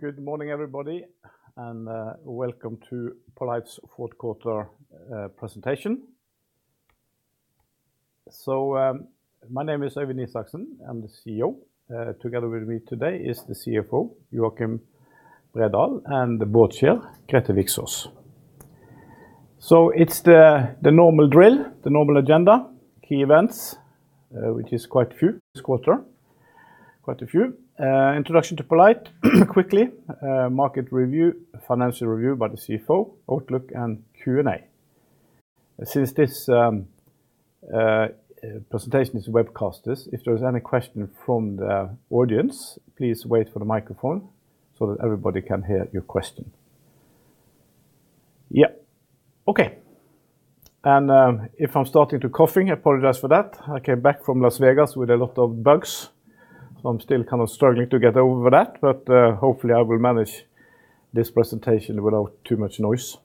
Good morning, everybody, and welcome to poLight's Fourth Quarter Presentation. My name is Øyvind Isaksen. I'm the CEO. Together with me today is the CFO, Joakim Bredahl, and the Board Chair, Grethe Viksaas. It's the normal drill, the normal agenda, key events, which is quite a few this quarter, quite a few. Introduction to poLight, quickly, market review, financial review by the CFO, outlook, and Q&A. Since this presentation is webcasters, if there is any question from the audience, please wait for the microphone so that everybody can hear your question. Yep. Okay, if I'm starting to coughing, I apologize for that. I came back from Las Vegas with a lot of bugs, so I'm still kind of struggling to get over that, but hopefully I will manage this presentation without too much noise.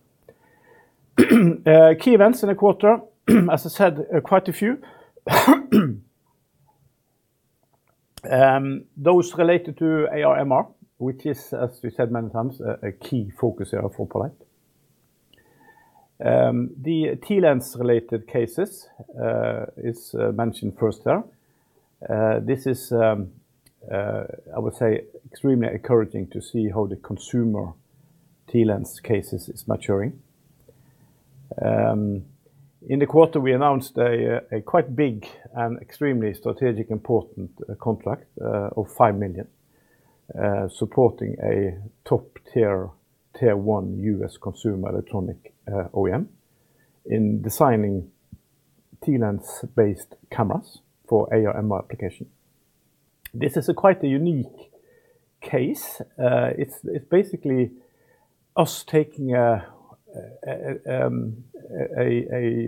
Key events in the quarter, as I said, quite a few. Those related to AR/MR, which is, as we said many times, a key focus area for poLight. The TLens related cases is mentioned first there. This is, I would say extremely encouraging to see how the consumer TLens cases is maturing. In the quarter, we announced a quite big and extremely strategic important contract of 5 million supporting a top-tier, Tier 1 U.S. consumer electronic OEM in designing TLens-based cameras for AR/MR application. This is quite a unique case. It's basically us taking a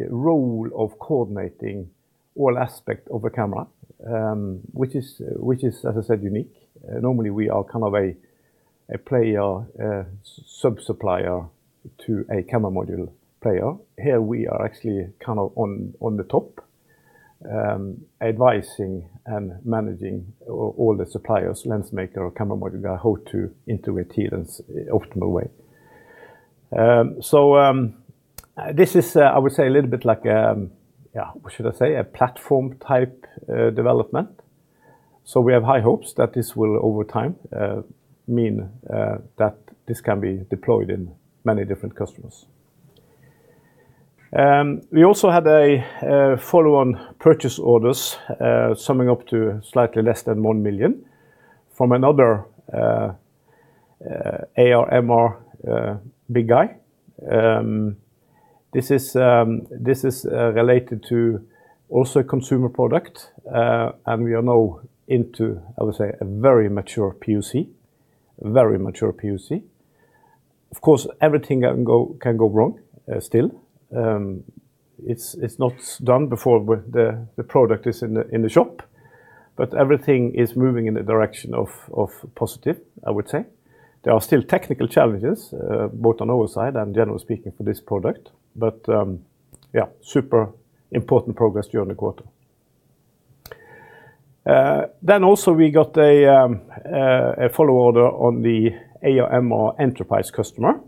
role of coordinating all aspect of a camera, which is, as I said, unique. Normally, we are kind of a player, a sub-supplier to a camera module player. Here we are actually kind of on the top, advising and managing all the suppliers, lens maker or camera module, how to integrate TLens in optimal way. This is, I would say, a little bit like, yeah, what should I say? A platform-type development. We have high hopes that this will, over time, mean that this can be deployed in many different customers. We also had a follow-on purchase orders, summing up to slightly less than 1 million from another AR/MR big guy. This is related to also consumer product, and we are now into, I would say, a very mature PoC, a very mature PoC. Of course, everything can go wrong still. It's not done before the product is in the shop, but everything is moving in the direction of positive, I would say. There are still technical challenges, both on our side and generally speaking, for this product, but, super important progress during the quarter. Also we got a follow order on the AR/MR enterprise customer.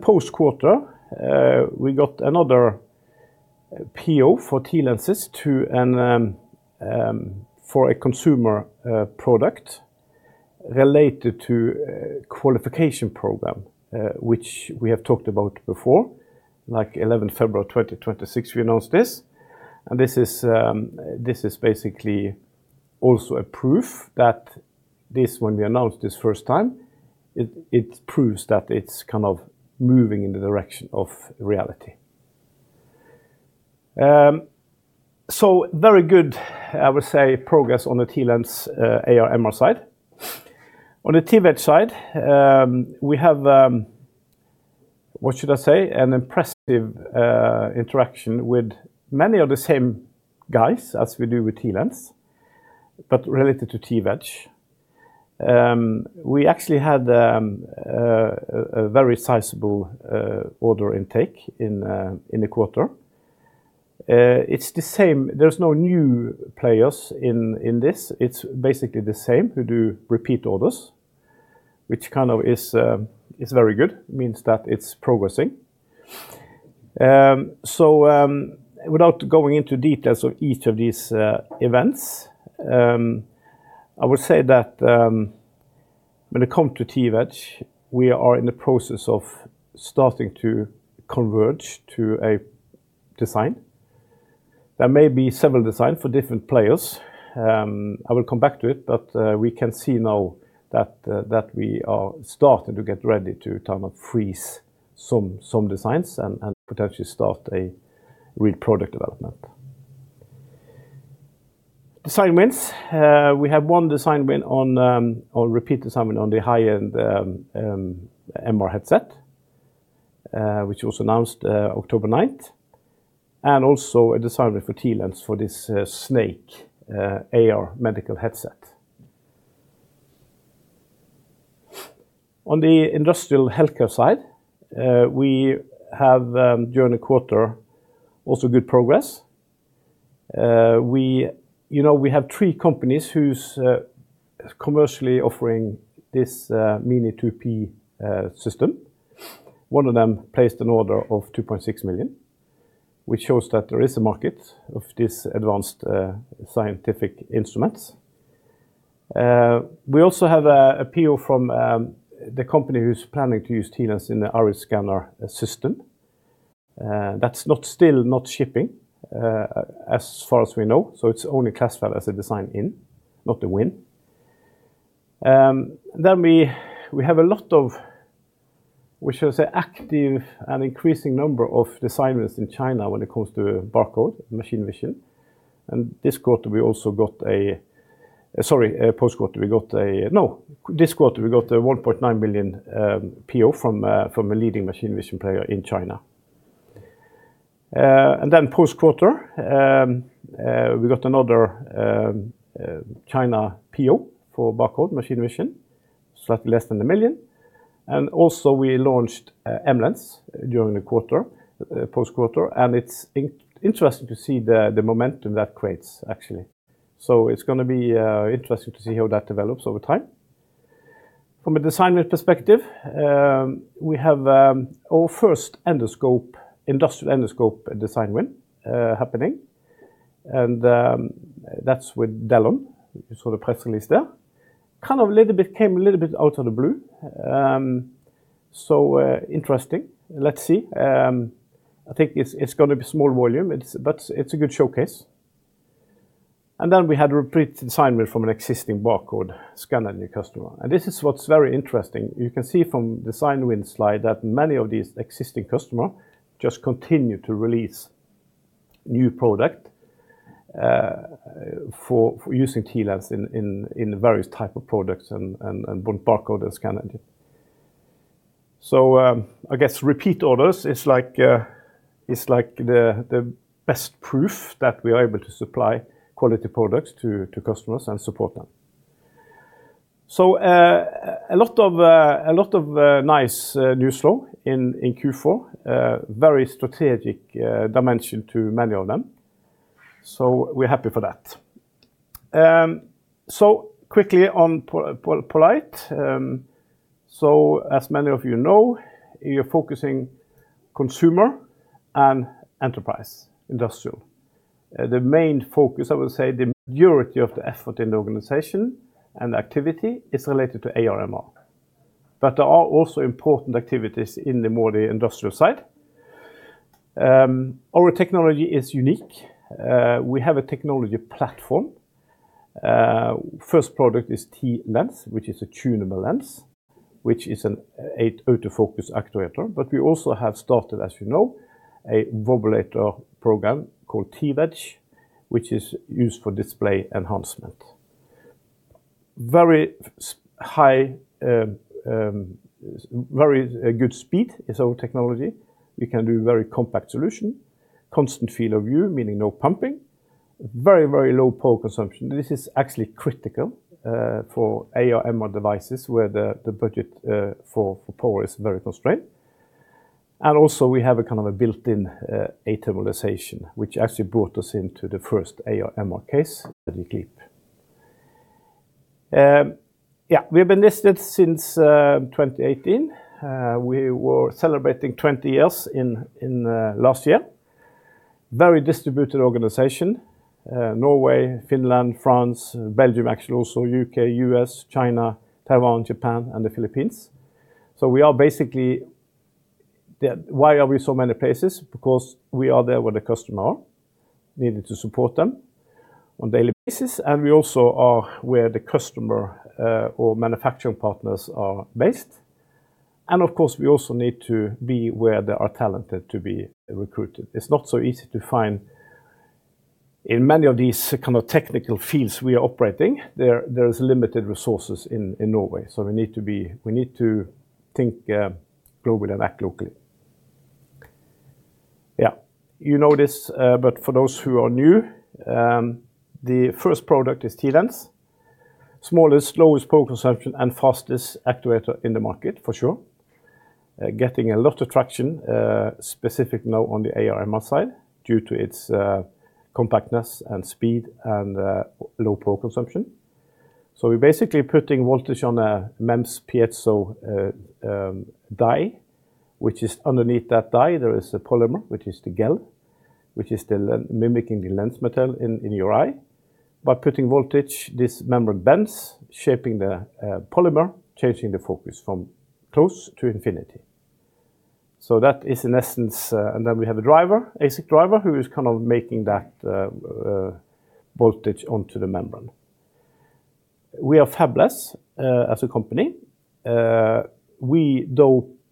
Post-quarter, we got another PO for TLenses for a consumer product related to a qualification program, which we have talked about before, like 11th February 2026, we announced this. This is basically also a proof that this, when we announced this first time, it proves that it's kind of moving in the direction of reality. Very good, I would say, progress on the TLens AR/MR side. On the TWedge side, we have, what should I say? An impressive interaction with many of the same guys as we do with TLens, but related to TWedge. We actually had a very sizable order intake in the quarter. There's no new players in this. It's basically the same who do repeat orders, which kind of is very good, means that it's progressing. Without going into details of each of these events, I would say that when it come to TWedge, we are in the process of starting to converge to a design. There may be several design for different players. I will come back to it, but we can see now that we are starting to get ready to freeze some designs and potentially start a real product development. Design wins. We have one design win on, or repeat design win on the high-end MR headset, which was announced October 9th, and also a design win for TLens for this Snke AR medical headset. On the industrial healthcare side, we have during the quarter, also good progress. We, you know, we have three companies whose commercially offering this Mini2p system. One of them placed an order of 2.6 million, which shows that there is a market of this advanced scientific instruments. We also have a PO from the company who's planning to use TLens in the IRIS scanner system. That's not still not shipping, as far as we know, so it's only classified as a design-in, not a win. We have a lot of, we should say, active and increasing number of design wins in China when it comes to barcode, machine vision. This quarter, we also got a 1.9 million PO from a leading machine vision player in China. Post-quarter, we got another China PO for barcode machine vision, slightly less than 1 million. Also we launched MLens during the quarter, post-quarter, and it's interesting to see the momentum that creates, actually. It's gonna be interesting to see how that develops over time. From a design win perspective, we have our first endoscope, industrial endoscope design win, happening, and that's with Dellon, you saw the press release there. Kind of came a little bit out of the blue. Interesting. Let's see. I think it's gonna be small volume, but it's a good showcase. We had a repeat design win from an existing barcode scanner customer. This is what's very interesting. You can see from design win slide that many of these existing customer just continue to release new product for using TLens in various type of products and both barcode and scanner. I guess repeat orders is like the best proof that we are able to supply quality products to customers and support them. A lot of nice news flow in Q4. Very strategic dimension to many of them. We're happy for that. Quickly on poLight. As many of you know, we are focusing consumer and enterprise, industrial. The main focus, I would say, the majority of the effort in the organization and activity is related to AR/MR. There are also important activities in the more the industrial side. Our technology is unique. We have a technology platform. First product is TLens, which is a tunable lens, which is an eight autofocus actuator. We also have started, as you know, a wobulator program called TWedge, which is used for display enhancement. Very high, very good speed is our technology. We can do very compact solution, constant field of view, meaning no pumping, very, very low power consumption. This is actually critical for AR/MR devices, where the budget for power is very constrained. Also we have a kind of a built-in characterization, which actually brought us into the first AR/MR case that you keep. Yeah, we have been listed since 2018. We were celebrating 20 years last year. Very distributed organization, Norway, Finland, France, Belgium, actually also U.K., U.S., China, Taiwan, Japan, and the Philippines. We are there where the customer are, needing to support them on daily basis, and we also are where the customer or manufacturing partners are based. Of course, we also need to be where there are talented to be recruited. It's not so easy to find in many of these kind of technical fields we are operating, there is limited resources in Norway. We need to think globally and act locally. Yeah, you know this, but for those who are new, the first product is TLens. Smallest, lowest power consumption, and fastest actuator in the market for sure. Getting a lot of traction, specific now on the AR/MR side, due to its compactness and speed and low power consumption. We're basically putting voltage on a MEMS piezo die. Underneath that die, there is a polymer, which is the gel, which is mimicking the lens material in your eye. By putting voltage, this membrane bends, shaping the polymer, changing the focus from close to infinity. That is in essence. We have a driver, ASIC driver, who is kind of making that voltage onto the membrane. We are fabless as a company. We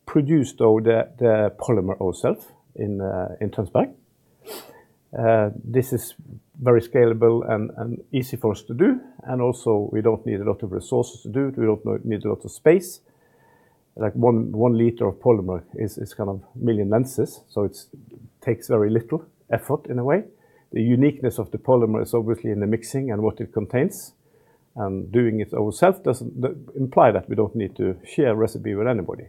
produce, though, the polymer ourself in Tønsberg. This is very scalable and easy for us to do, and also we don't need a lot of resources to do it. We don't need a lot of space. Like, 1 L of polymer is kind of million lenses, so it takes very little effort in a way. The uniqueness of the polymer is obviously in the mixing and what it contains, and doing it ourself doesn't imply that we don't need to share a recipe with anybody.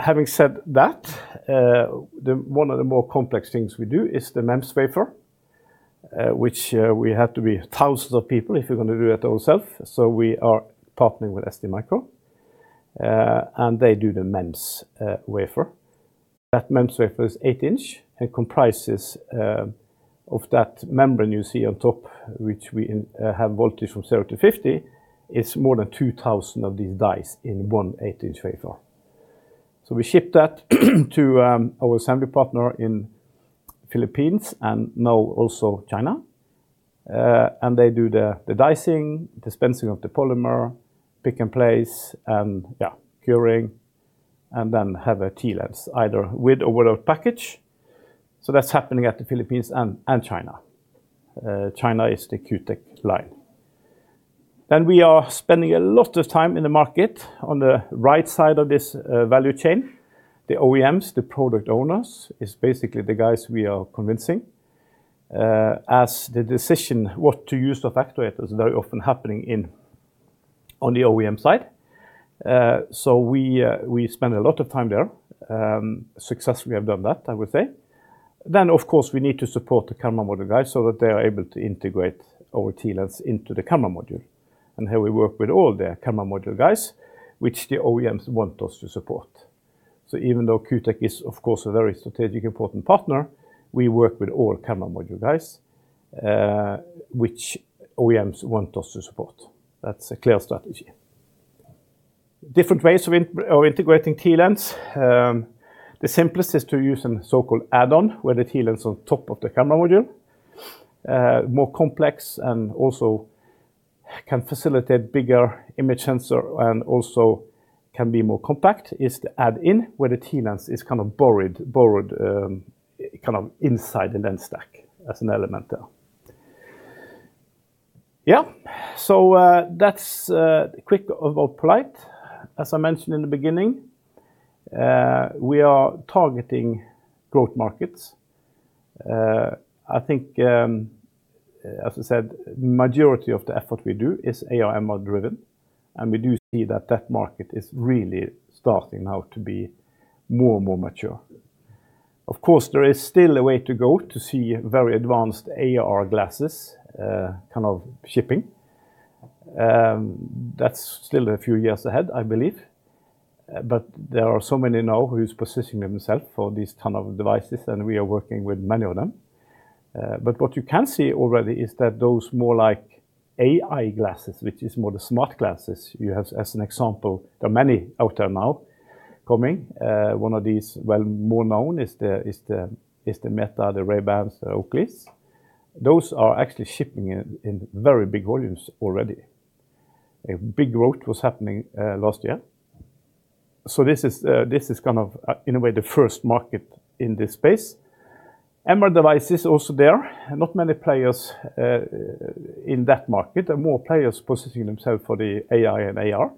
Having said that, one of the more complex things we do is the MEMS wafer, which we have to be thousands of people if we're gonna do that ourself, so we are partnering with STMicro, and they do the MEMS wafer. That MEMS wafer is 8 in and comprises of that membrane you see on top, which we have voltage from zero to 50, is more than 2,000 of these dies in one 8 in wafer. We ship that to our assembly partner in Philippines and now also China. They do the dicing, dispensing of the polymer, pick and place, and curing, and then have a TLens, either with or without package. That's happening at the Philippines and China. China is the Q Tech line. We are spending a lot of time in the market on the right side of this value chain. The OEMs, the product owners, is basically the guys we are convincing, as the decision what to use of actuator is very often happening on the OEM side. We spend a lot of time there, successfully have done that, I would say. Of course, we need to support the camera module guys so that they are able to integrate our TLens into the camera module, and here we work with all the camera module guys, which the OEMs want us to support. Even though Q Tech is of course, a very strategic, important partner, we work with all camera module guys, which OEMs want us to support. That's a clear strategy. Different ways of integrating TLens, the simplest is to use an so-called add-on, where the TLens on top of the camera module. More complex and also can facilitate bigger image sensor and also can be more compact, is the add-in, where the TLens is kind of borrowed, kind of inside the lens stack as an element there. Yeah, that's quick of poLight. As I mentioned in the beginning, we are targeting growth markets. I think, as I said, majority of the effort we do is AR/MR driven, and we do see that that market is really starting now to be more and more mature. Of course, there is still a way to go to see very advanced AR glasses, kind of shipping. That's still a few years ahead, I believe, there are so many now who's positioning themselves for these ton of devices, and we are working with many of them. What you can see already is that those more like AI glasses, which is more the smart glasses, you have as an example, there are many out there now coming. One of these, well, more known is the Meta, the Ray-Bans, the Oakley. Those are actually shipping in very big volumes already. A big growth was happening last year. This is kind of in a way, the first market in this space. MR device is also there. Not many players in that market. More players positioning themselves for the AR and MR.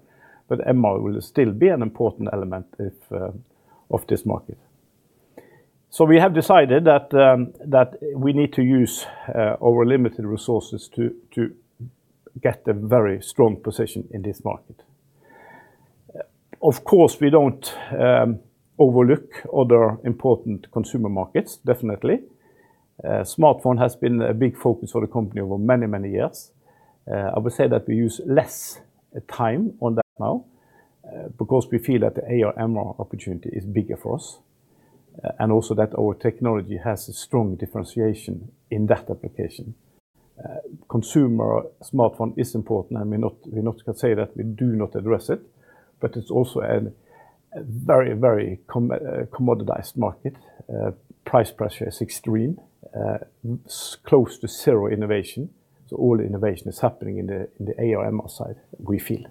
MR will still be an important element of this market. We have decided that we need to use our limited resources to get a very strong position in this market. Of course, we don't overlook other important consumer markets, definitely. Smartphone has been a big focus for the company over many, many years. I would say that we use less time on that now because we feel that the AR/MR opportunity is bigger for us and also that our technology has a strong differentiation in that application. Consumer smartphone is important, and we cannot say that we do not address it, but it's also a very, very commoditized market. Price pressure is extreme, close to zero innovation. All innovation is happening in the AR/MR side, we feel.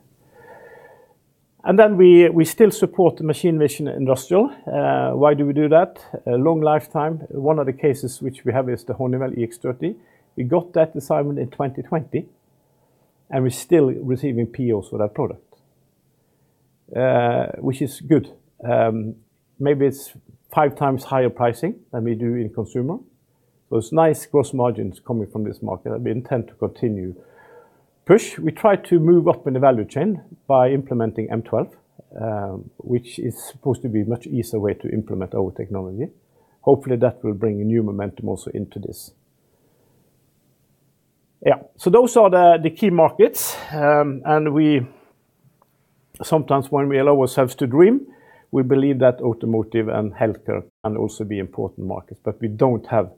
We still support the machine vision industrial. Why do we do that? A long lifetime. One of the cases which we have is the Honeywell EX30. We got that assignment in 2020, and we're still receiving POs for that product, which is good. Maybe it's five times higher pricing than we do in consumer, so it's nice gross margins coming from this market, and we intend to continue. Push, we try to move up in the value chain by implementing M12, which is supposed to be much easier way to implement our technology. Hopefully, that will bring new momentum also into this. Those are the key markets. We sometimes when we allow ourselves to dream, we believe that automotive and healthcare can also be important markets, but we don't have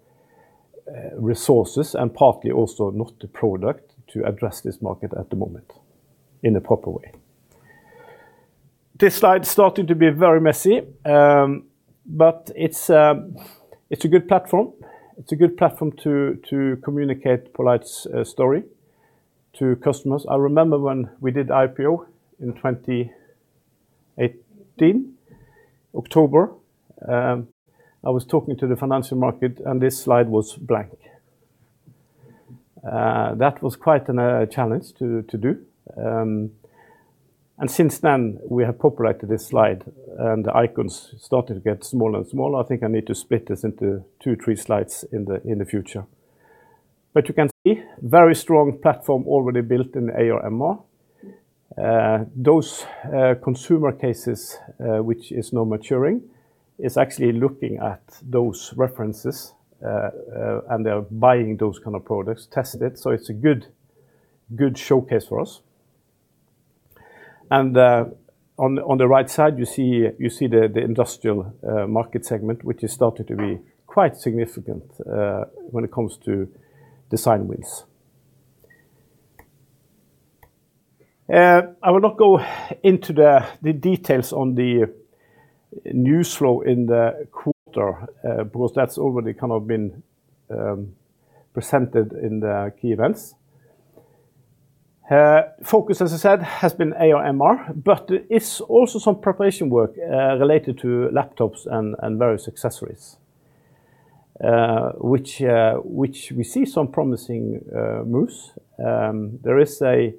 resources and partly also not the product to address this market at the moment in a proper way. This slide is starting to be very messy. It's a good platform. It's a good platform to communicate poLight's story to customers. I remember when we did IPO in 2018, October, I was talking to the financial market, and this slide was blank. That was quite an challenge to do. Since then, we have populated this slide, and the icons started to get smaller and smaller. I think I need to split this into two, three slides in the future. You can see, very strong platform already built in AR/MR. Those consumer cases, which is now maturing, is actually looking at those references, and they are buying those kind of products, tested it, so it's a good showcase for us. On the right side, you see the industrial market segment, which is starting to be quite significant when it comes to design wins. I will not go into the details on the news flow in the quarter because that's already kind of been presented in the key events. Focus, as I said, has been AR/MR, but it's also some preparation work related to laptops and various accessories, which we see some promising moves. There is a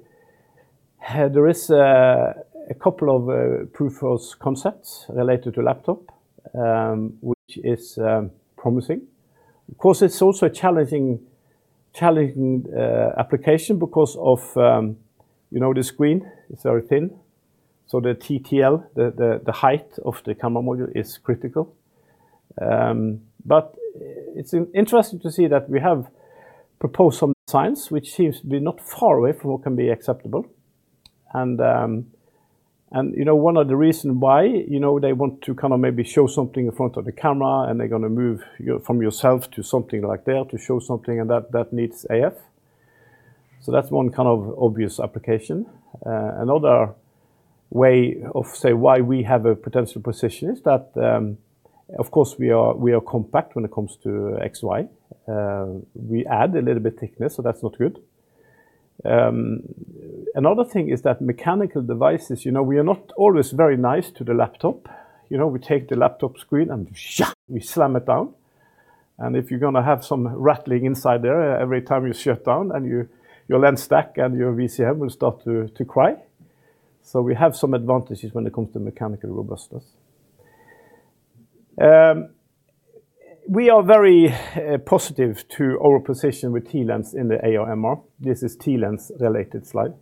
couple of proof-of-concepts related to laptop, which is promising. Of course, it's also a challenging application because of, you know, the screen is very thin, so the TTL, the height of the camera module is critical. It's interesting to see that we have proposed some designs, which seems to be not far away from what can be acceptable. You know, one of the reason why, you know, they want to kind of maybe show something in front of the camera, and they're gonna move from yourself to something like there to show something, and that needs AF. That's one kind of obvious application. another way of say why we have a potential position is that, of course, we are, we are compact when it comes to XY. we add a little bit thickness, that's not good. another thing is that mechanical devices, you know, we are not always very nice to the laptop. You know, we take the laptop screen, we slam it down, and if you're gonna have some rattling inside there, every time you shut down, and your lens stack and your VCM will start to cry. We have some advantages when it comes to mechanical robustness. We are very positive to our position with TLens in the AR/MR. This is TLens related slide.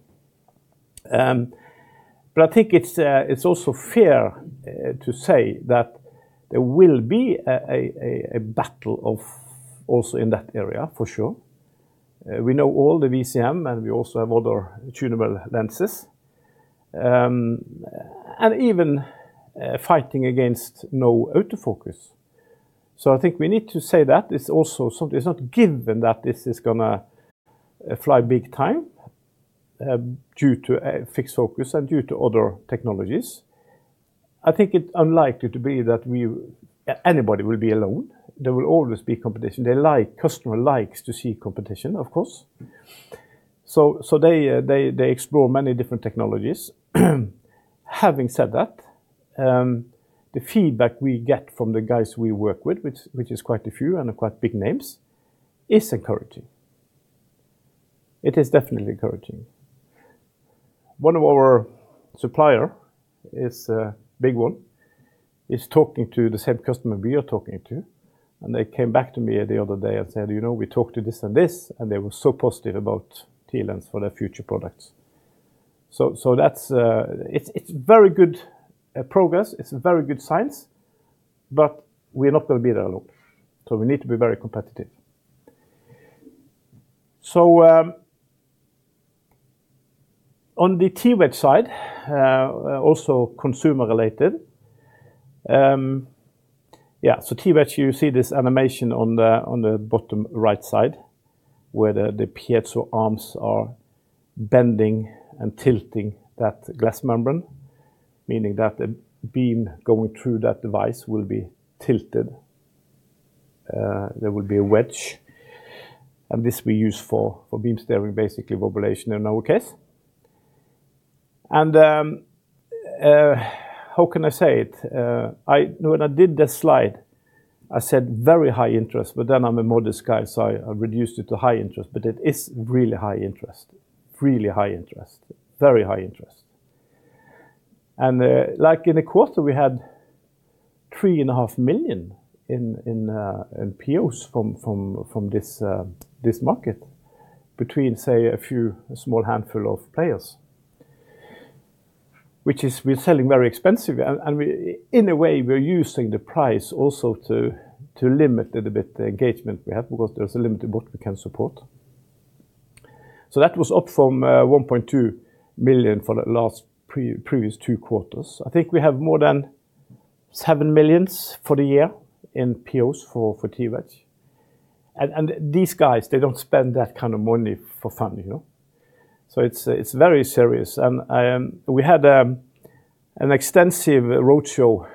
I think it's also fair to say that there will be a battle of also in that area, for sure. We know all the VCM, and we also have other tunable lenses. Even fighting against no autofocus. I think we need to say that it's also it's not given that this is gonna fly big time due to a fixed focus and due to other technologies. I think it's unlikely to be that anybody will be alone. There will always be competition. Customer likes to see competition, of course. They explore many different technologies. Having said that, the feedback we get from the guys we work with, which is quite a few and are quite big names, is encouraging. It is definitely encouraging. One of our supplier is a big one, is talking to the same customer we are talking to, and they came back to me the other day and said, "You know, we talked to this and this, and they were so positive about TLens for their future products." It's very good progress. It's very good signs, but we're not gonna be there alone, we need to be very competitive. On the TWedge side, also consumer-related. Yeah, TWedge, you see this animation on the bottom right side, where the piezo arms are bending and tilting that glass membrane, meaning that the beam going through that device will be tilted. There will be a wedge. This we use for beam steering, basically wobulation in our case. How can I say it? When I did this slide, I said very high interest. I'm a modest guy, so I reduced it to high interest. It is really high interest. Really high interest. Very high interest. In the quarter, we had 3.5 million in POs from this market between, say, a few, a small handful of players, which is we're selling very expensive, and we, in a way, we're using the price also to limit a little bit the engagement we have, because there's a limit to what we can support. That was up from 1.2 million for the last previous two quarters. I think we have more than 7 million for the year in POs for TWedge. These guys, they don't spend that kind of money for fun, you know? It's very serious. We had an extensive roadshow,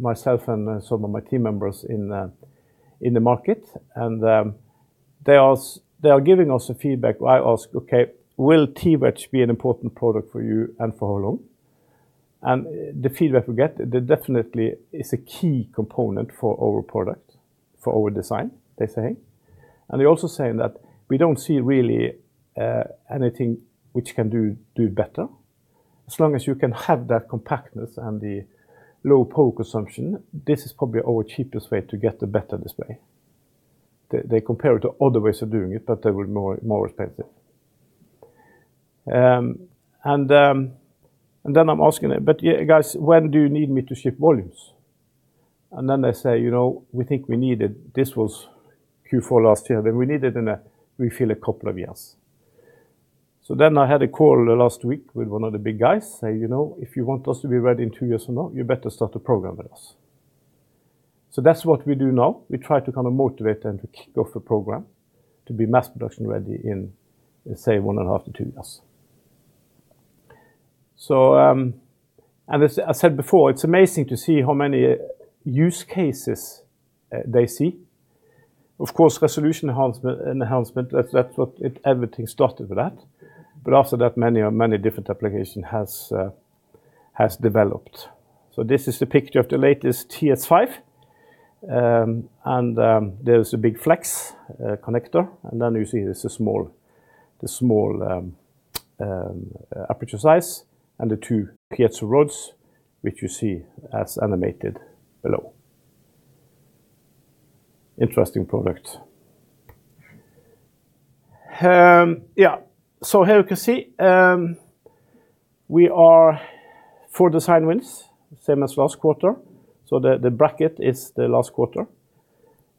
myself and some of my team members in the market, and they are giving us a feedback where I ask, "Okay, will TWedge be an important product for you, and for how long?" The feedback we get, there definitely is a key component for our product, for our design, they're saying. They're also saying that we don't see really anything which can do better. As long as you can have that compactness and the low power consumption, this is probably our cheapest way to get a better display. They compare it to other ways of doing it, but they were more expensive. I'm asking them: "Yeah, guys, when do you need me to ship volumes?" They say, "You know, we think we need it. This was Q4 last year, we need it in a, we feel, a couple of years." I had a call last week with one of the big guys, say, "You know, if you want us to be ready in two years from now, you better start a program with us." That's what we do now. We try to kind of motivate them to kick off a program to be mass production-ready in, let's say, one and a half to two years. As I said before, it's amazing to see how many use cases they see. Of course, resolution enhancement, that's what it. Everything started with that. After that, many, many different application has developed. This is the picture of the latest TS5, and there's a big flex connector, and then you see there's a small, the small aperture size and the two piezo rods, which you see as animated below. Interesting product. Yeah, here you can see, we are four design wins, same as last quarter, so the bracket is the last quarter.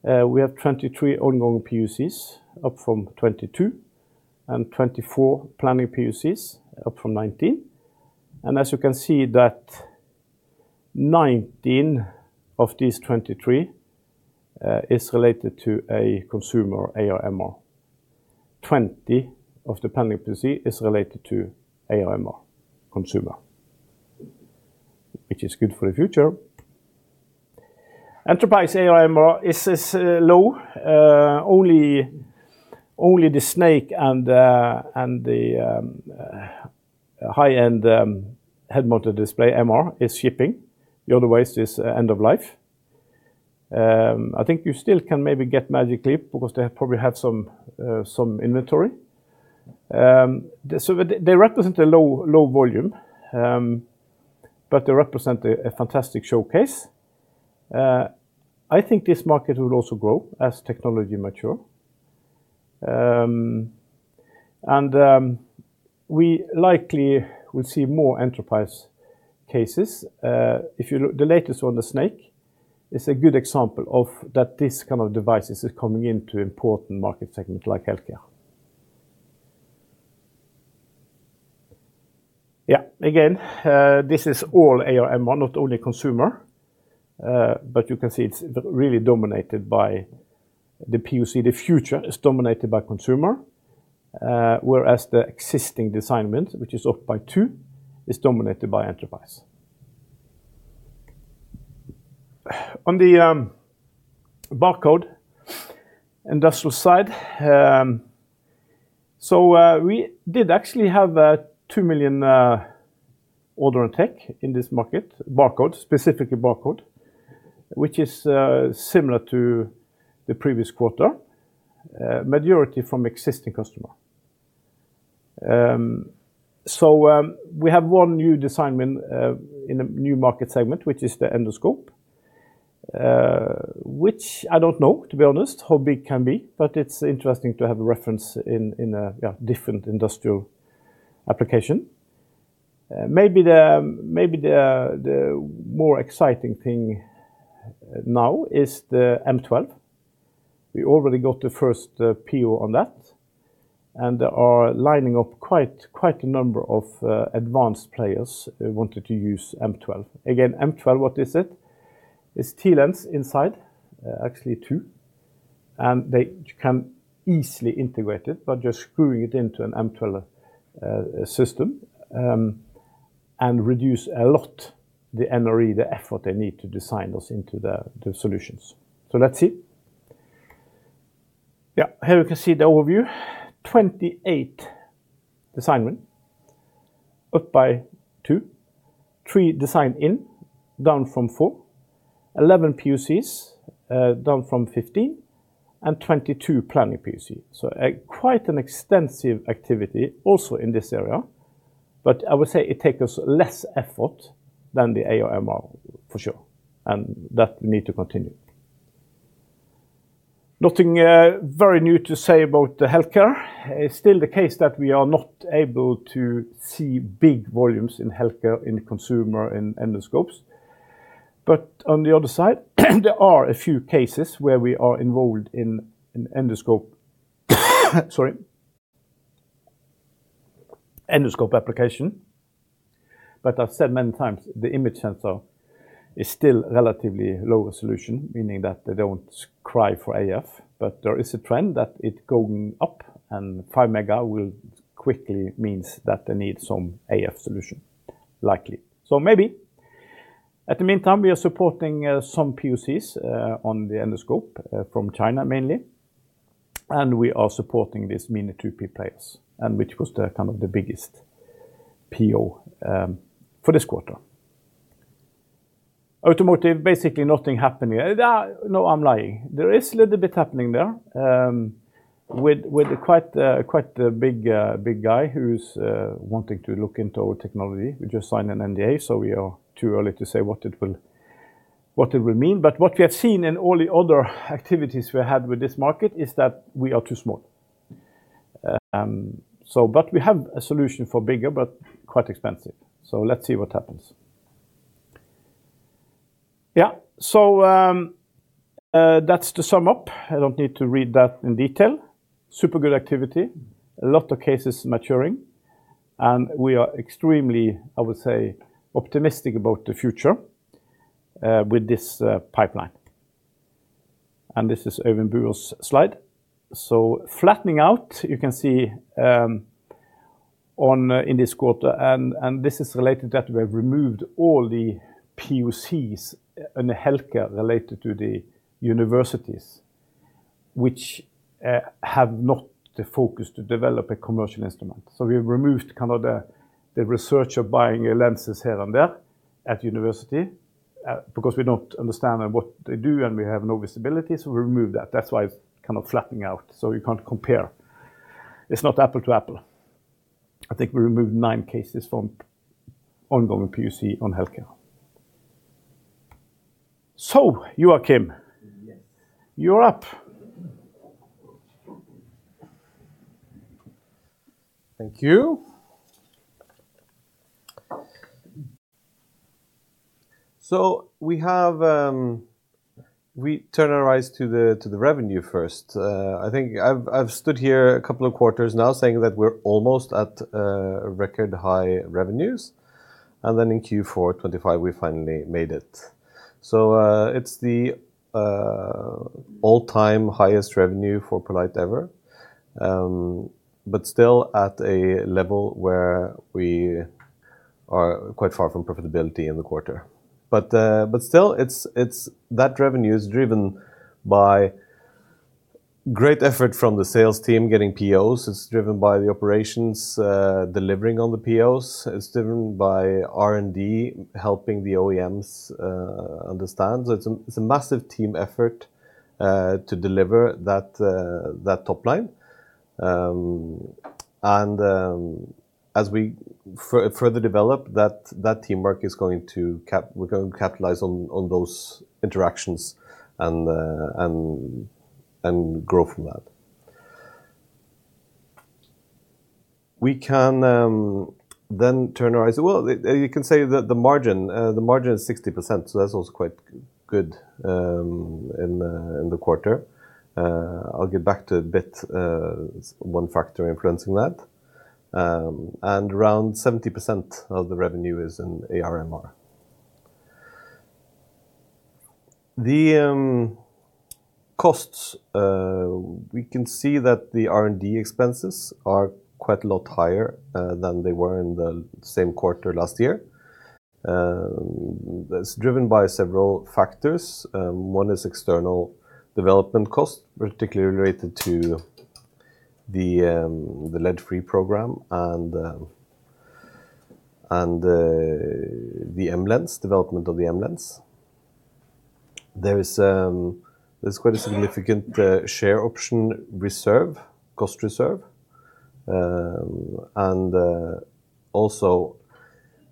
We have 23 ongoing PoCs, up from 22, and 24 planning PoCs, up from 19. As you can see that 19 of these 23 is related to a consumer AR/MR. 20 of the planning PoC is related to AR/MR consumer, which is good for the future. Enterprise AR/MR is low, only the Snke and the high-end head-mounted display MR is shipping. The other ways is end of life. I think you still can maybe get Magic Leap because they have probably had some inventory. They represent a low volume, but they represent a fantastic showcase. I think this market will also grow as technology mature. We likely will see more enterprise cases. If you look, the latest on the Snke is a good example of that this kind of devices is coming into important market segment like healthcare. Again, this is all AR/MR, not only consumer, but you can see it's really dominated by the PoC. The future is dominated by consumer, whereas the existing design wins, which is up by two, is dominated by enterprise. On the barcode, industrial side, we did actually have a 2 million order intake in this market, barcode, specifically barcode, which is similar to the previous quarter, majority from existing customer. We have one new design win in a new market segment, which is the endoscope, which I don't know, to be honest, how big it can be, but it's interesting to have a reference in a different industrial application. Maybe the more exciting thing now is the M12. We already got the first PO on that, and they are lining up quite a number of advanced players who wanted to use M12. Again, M12, what is it? It's TLens inside, actually two, and they can easily integrate it by just screwing it into an M12 system, and reduce a lot the NRE, the effort they need to design those into the solutions. Let's see. Yeah, here you can see the overview. 28 design win, up by two, three design-in, down from four, 11 PoCs, down from 15, and 22 planning PoC. Quite an extensive activity also in this area, but I would say it takes us less effort than the AR/MR, for sure, and that need to continue. Nothing very new to say about the healthcare. It's still the case that we are not able to see big volumes in healthcare, in consumer, in endoscopes. On the other side, there are a few cases where we are involved in an endoscope application. I've said many times, the image sensor is still relatively low resolution, meaning that they don't cry for AF, but there is a trend that it going up, and five mega will quickly means that they need some AF solution, likely. At the meantime, we are supporting some PoCs on the endoscope from China mainly, and we are supporting these Mini2p players, which was the kind of the biggest PO for this quarter. Automotive, basically nothing happening. No, I'm lying. There is a little bit happening there, with quite the big guy who's wanting to look into our technology. We just signed an NDA, so we are too early to say what it will mean. What we have seen in all the other activities we had with this market is that we are too small. But we have a solution for bigger, but quite expensive. Let's see what happens. Yeah. That's to sum up. I don't need to read that in detail. Super good activity, a lot of cases maturing, and we are extremely, I would say, optimistic about the future with this pipeline. This is Øyvind Bure's slide. Flattening out, you can see on in this quarter, and this is related that we have removed all the PoCs in the healthcare related to the universities, which have not the focus to develop a commercial instrument. We've removed kind of the researcher buying lenses here and there at university because we don't understand what they do, and we have no visibility, so we remove that. That's why it's kind of flattening out, so you can't compare. It's not apple to apple. I think we removed nine cases from ongoing PoC on healthcare. Joakim. Yes. You're up. Thank you. We have, we turn our eyes to the revenue first. I think I've stood here a couple of quarters now saying that we're almost at record-high revenues, and then in Q4 2025, we finally made it. It's the all-time highest revenue for poLight ever, but still at a level where we are quite far from profitability in the quarter. But still, it's that revenue is driven by great effort from the sales team getting POs. It's driven by the operations delivering on the POs. It's driven by R&D, helping the OEMs understand. It's a massive team effort to deliver that top line. As we further develop, that teamwork is going to cap. We're going to capitalize on those interactions and grow from that. We can then turn our eyes. Well, you can say that the margin is 60%, so that's also quite good in the quarter. I'll get back to a bit one factor influencing that. Around 70% of the revenue is in AR/MR. The costs, we can see that the R&D expenses are quite a lot higher than they were in the same quarter last year. That's driven by several factors. One is external development cost, particularly related to the lead-free program and the MLens, development of the MLens. There's quite a significant share option reserve, cost reserve. Also,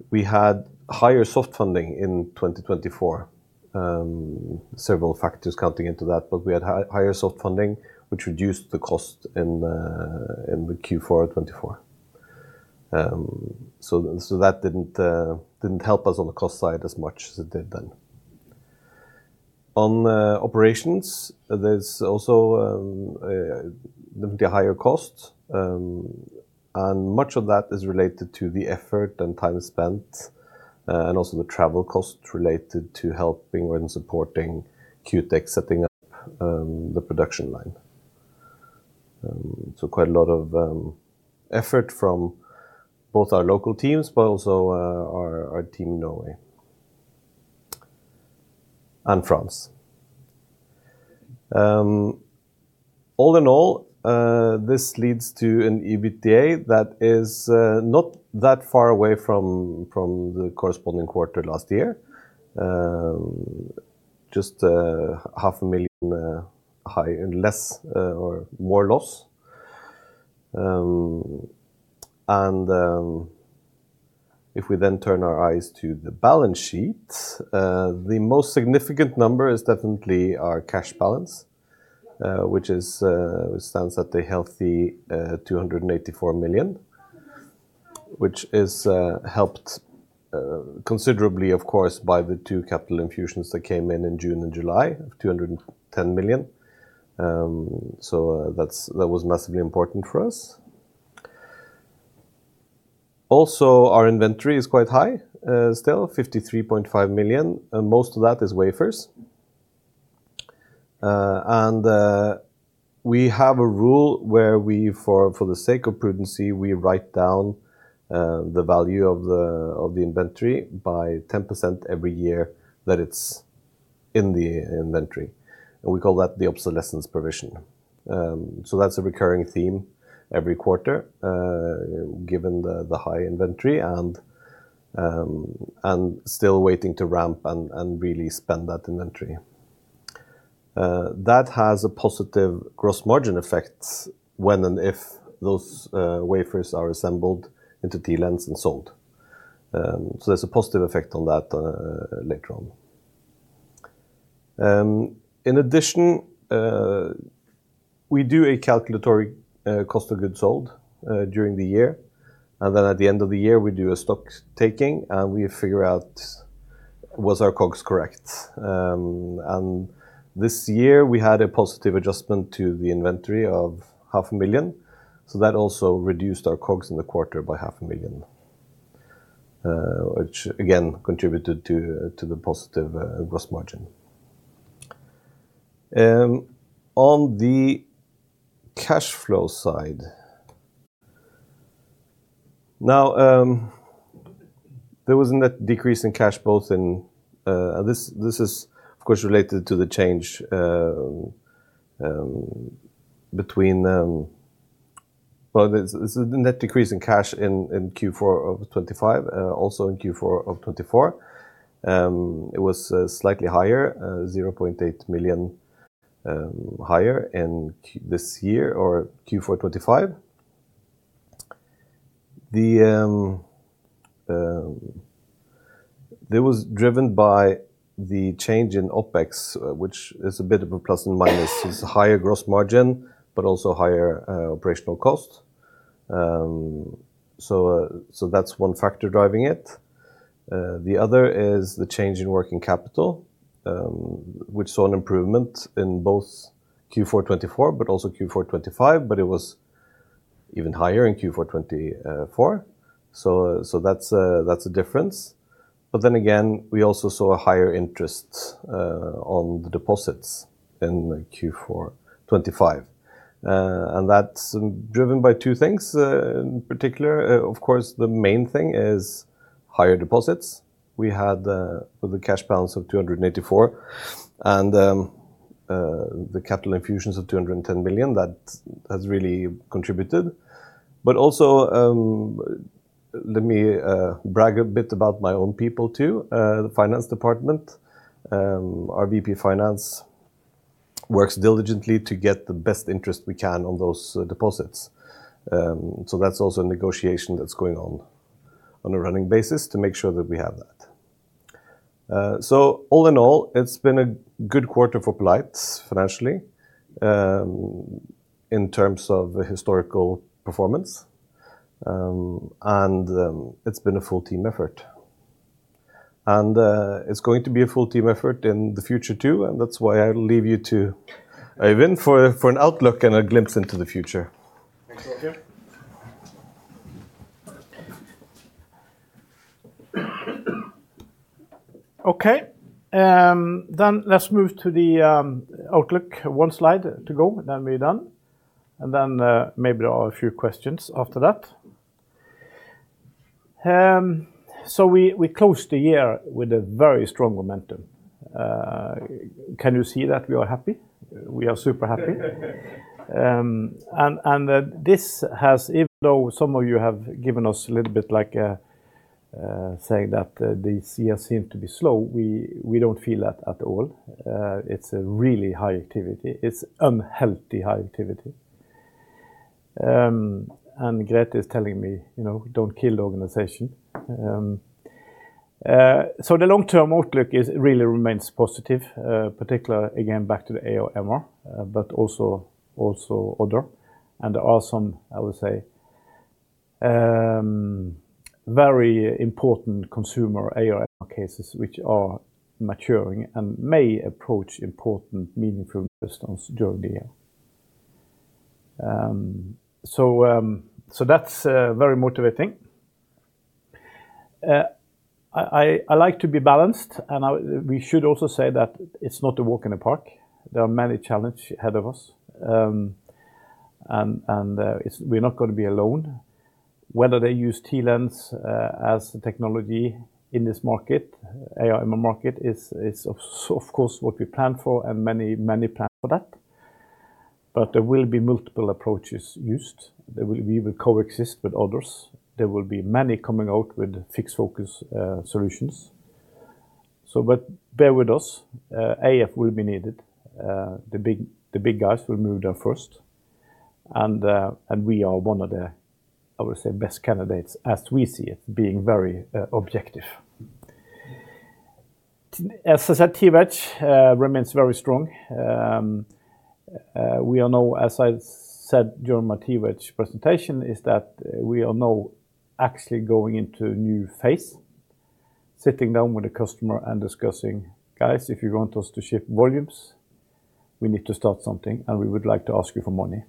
we had higher soft funding in 2024. Several factors counting into that, but we had higher soft funding, which reduced the cost in the Q4 2024. That didn't help us on the cost side as much as it did then. On operations, there's also the higher cost, and much of that is related to the effort and time spent, and also the travel cost related to helping and supporting Q Tech setting up the production line. Quite a lot of effort from both our local teams, but also our team in Norway and France. All in all, this leads to an EBITDA that is not that far away from the corresponding quarter last year. Just half a million NOK high and less or more loss. If we then turn our eyes to the balance sheet, the most significant number is definitely our cash balance, which stands at a healthy 284 million, which is helped considerably, of course, by the two capital infusions that came in in June and July, 210 million. That was massively important for us. Also, our inventory is quite high, still 53.5 million, and most of that is wafers. We have a rule where we, for the sake of prudency, we write down the value of the inventory by 10% every year that it's in the inventory, and we call that the obsolescence provision. That's a recurring theme every quarter, given the high inventory and still waiting to ramp and really spend that inventory. That has a positive gross margin effect when and if those wafers are assembled into TLens and sold. There's a positive effect on that later on. In addition, we do a calculatory cost of goods sold during the year, and then at the end of the year, we do a stock taking, and we figure out was our COGS correct? This year, we had a positive adjustment to the inventory of half a million, so that also reduced our COGS in the quarter by half a million, which again contributed to the positive gross margin. On the cash flow side, now, there was a net decrease in cash. This is, of course, related to the change. Well, this is the net decrease in cash in Q4 of 2025, also in Q4 of 2024. It was slightly higher, 0.8 million higher in Q this year or Q4 2025. It was driven by the change in OpEx, which is a bit of a plus and minus. It's a higher gross margin, but also higher operational cost. That's one factor driving it. The other is the change in working capital, which saw an improvement in both Q4 2024, but also Q4 2025, but it was even higher in Q4 2024. That's a difference. Again, we also saw a higher interest on the deposits in Q4 2025. That's driven by two things in particular. Of course, the main thing is higher deposits. We had the cash balance of 284, and the capital infusions of 210 million, that has really contributed. Also, let me brag a bit about my own people, too, the finance department. Our VP of finance works diligently to get the best interest we can on those deposits. That's also a negotiation that's going on on a running basis to make sure that we have that. All in all, it's been a good quarter for poLight financially in terms of historical performance, and it's been a full team effort. It's going to be a full team effort in the future, too, and that's why I'll leave you to Øyvind for an outlook and a glimpse into the future. Thank you. Let's move to the outlook. One slide to go, we're done, maybe there are a few questions after that. We closed the year with a very strong momentum. Can you see that we are happy? We are super happy. This has, even though some of you have given us a little bit like a, saying that the year seem to be slow, we don't feel that at all. It's a really high activity. It's unhealthy high activity. Grethe is telling me, you know, "Don't kill the organization." The long-term outlook is really remains positive, particularly again, back to the AR/MR, but also other. There are some, I would say, very important consumer AR/MR cases which are maturing and may approach important, meaningful milestones during the year. That's very motivating. I like to be balanced, and we should also say that it's not a walk in the park. There are many challenge ahead of us, and we're not gonna be alone. Whether they use TLens as the technology in this market, AR/MR market, is of course what we planned for and many planned for that. There will be multiple approaches used. We will coexist with others. There will be many coming out with fixed-focus solutions. Bear with us, AF will be needed. The big guys will move there first, and we are one of the, I would say, best candidates as we see it, being very objective. As I said, TWedge remains very strong. We are now, as I said during my TWedge presentation, is that we are now actually going into a new phase, sitting down with the customer and discussing, "Guys, if you want us to ship volumes, we need to start something, and we would like to ask you for money."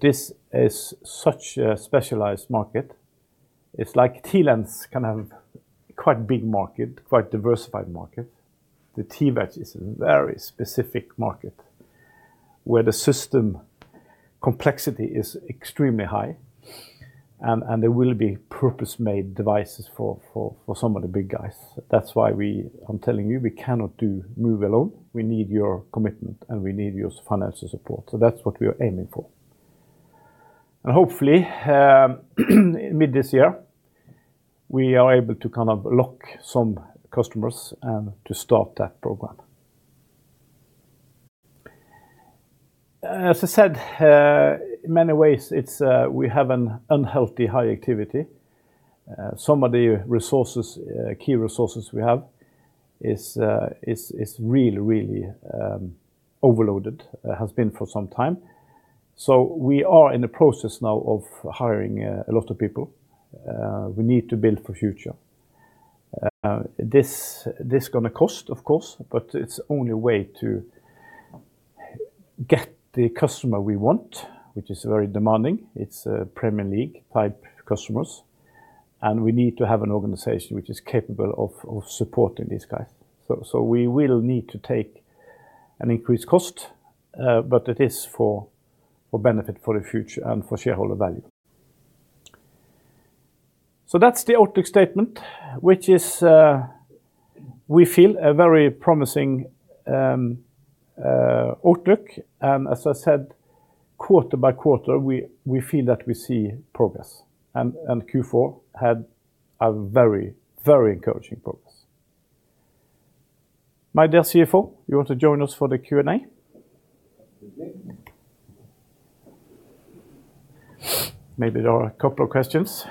This is such a specialized market. It's like TLens can have quite big market, quite diversified market. The TWedge is a very specific market, where the system complexity is extremely high, and there will be purpose-made devices for some of the big guys. That's why I'm telling you, we cannot do, move alone. We need your commitment, we need your financial support. That's what we are aiming for. Hopefully, mid this year, we are able to kind of lock some customers to start that program. As I said, in many ways, it's, we have an unhealthy high activity. Some of the resources, key resources we have is really overloaded, has been for some time. We are in the process now of hiring a lot of people. We need to build for future. This is going to cost, of course, but it's only a way to get the customer we want, which is very demanding. It's a Premier League-type customers, we need to have an organization which is capable of supporting these guys. We will need to take an increased cost, but it is for benefit, for the future and for shareholder value. That's the outlook statement, which is, we feel a very promising outlook. As I said, quarter by quarter, we feel that we see progress, and Q4 had a very encouraging progress. My dear CFO, you want to join us for the Q&A? Absolutely. Maybe there are a couple of questions.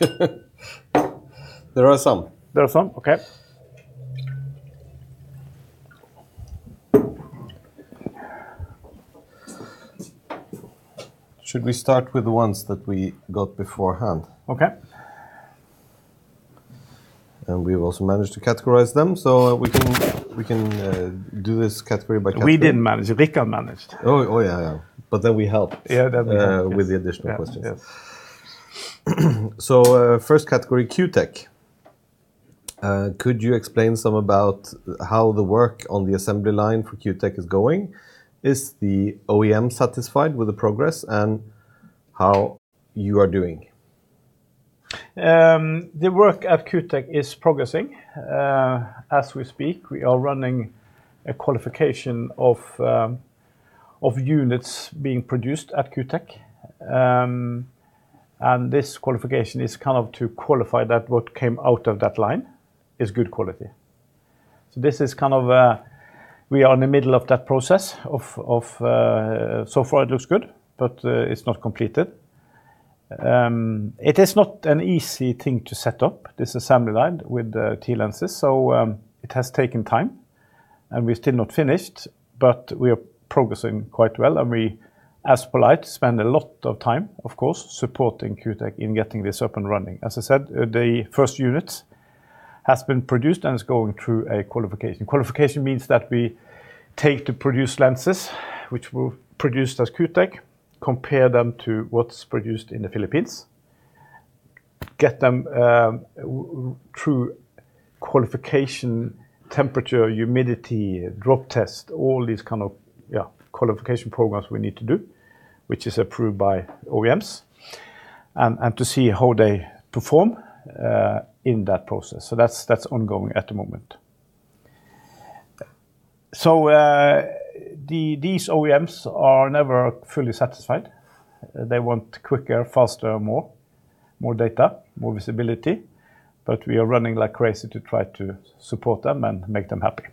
There are some. There are some? Okay. Should we start with the ones that we got beforehand? Okay. We've also managed to categorize them, so, we can do this category by category. We didn't manage it. Rikke managed. Oh, oh, yeah. Yeah, that. with the additional questions. Yeah. Yeah. First category, Q Tech. Could you explain some about how the work on the assembly line for Q Tech is going? Is the OEM satisfied with the progress, and how you are doing? The work at Q Tech is progressing. As we speak, we are running a qualification of units being produced at Q Tech. This qualification is kind of to qualify that what came out of that line is good quality. This is kind of, we are in the middle of that process of so far, it looks good, but it's not completed. It is not an easy thing to set up, this assembly line with the TLens. It has taken time, and we're still not finished, but we are progressing quite well, and we, as poLight, spend a lot of time, of course, supporting Q Tech in getting this up and running. As I said, the first unit has been produced and is going through a qualification. Qualification means that we take the produced lenses, which were produced as Q Tech, compare them to what's produced in the Philippines, get them through qualification, temperature, humidity, drop test, all these kind of qualification programs we need to do, which is approved by OEMs, and to see how they perform in that process. That's, that's ongoing at the moment. These OEMs are never fully satisfied. They want quicker, faster, more. More data, more visibility, but we are running like crazy to try to support them and make them happy.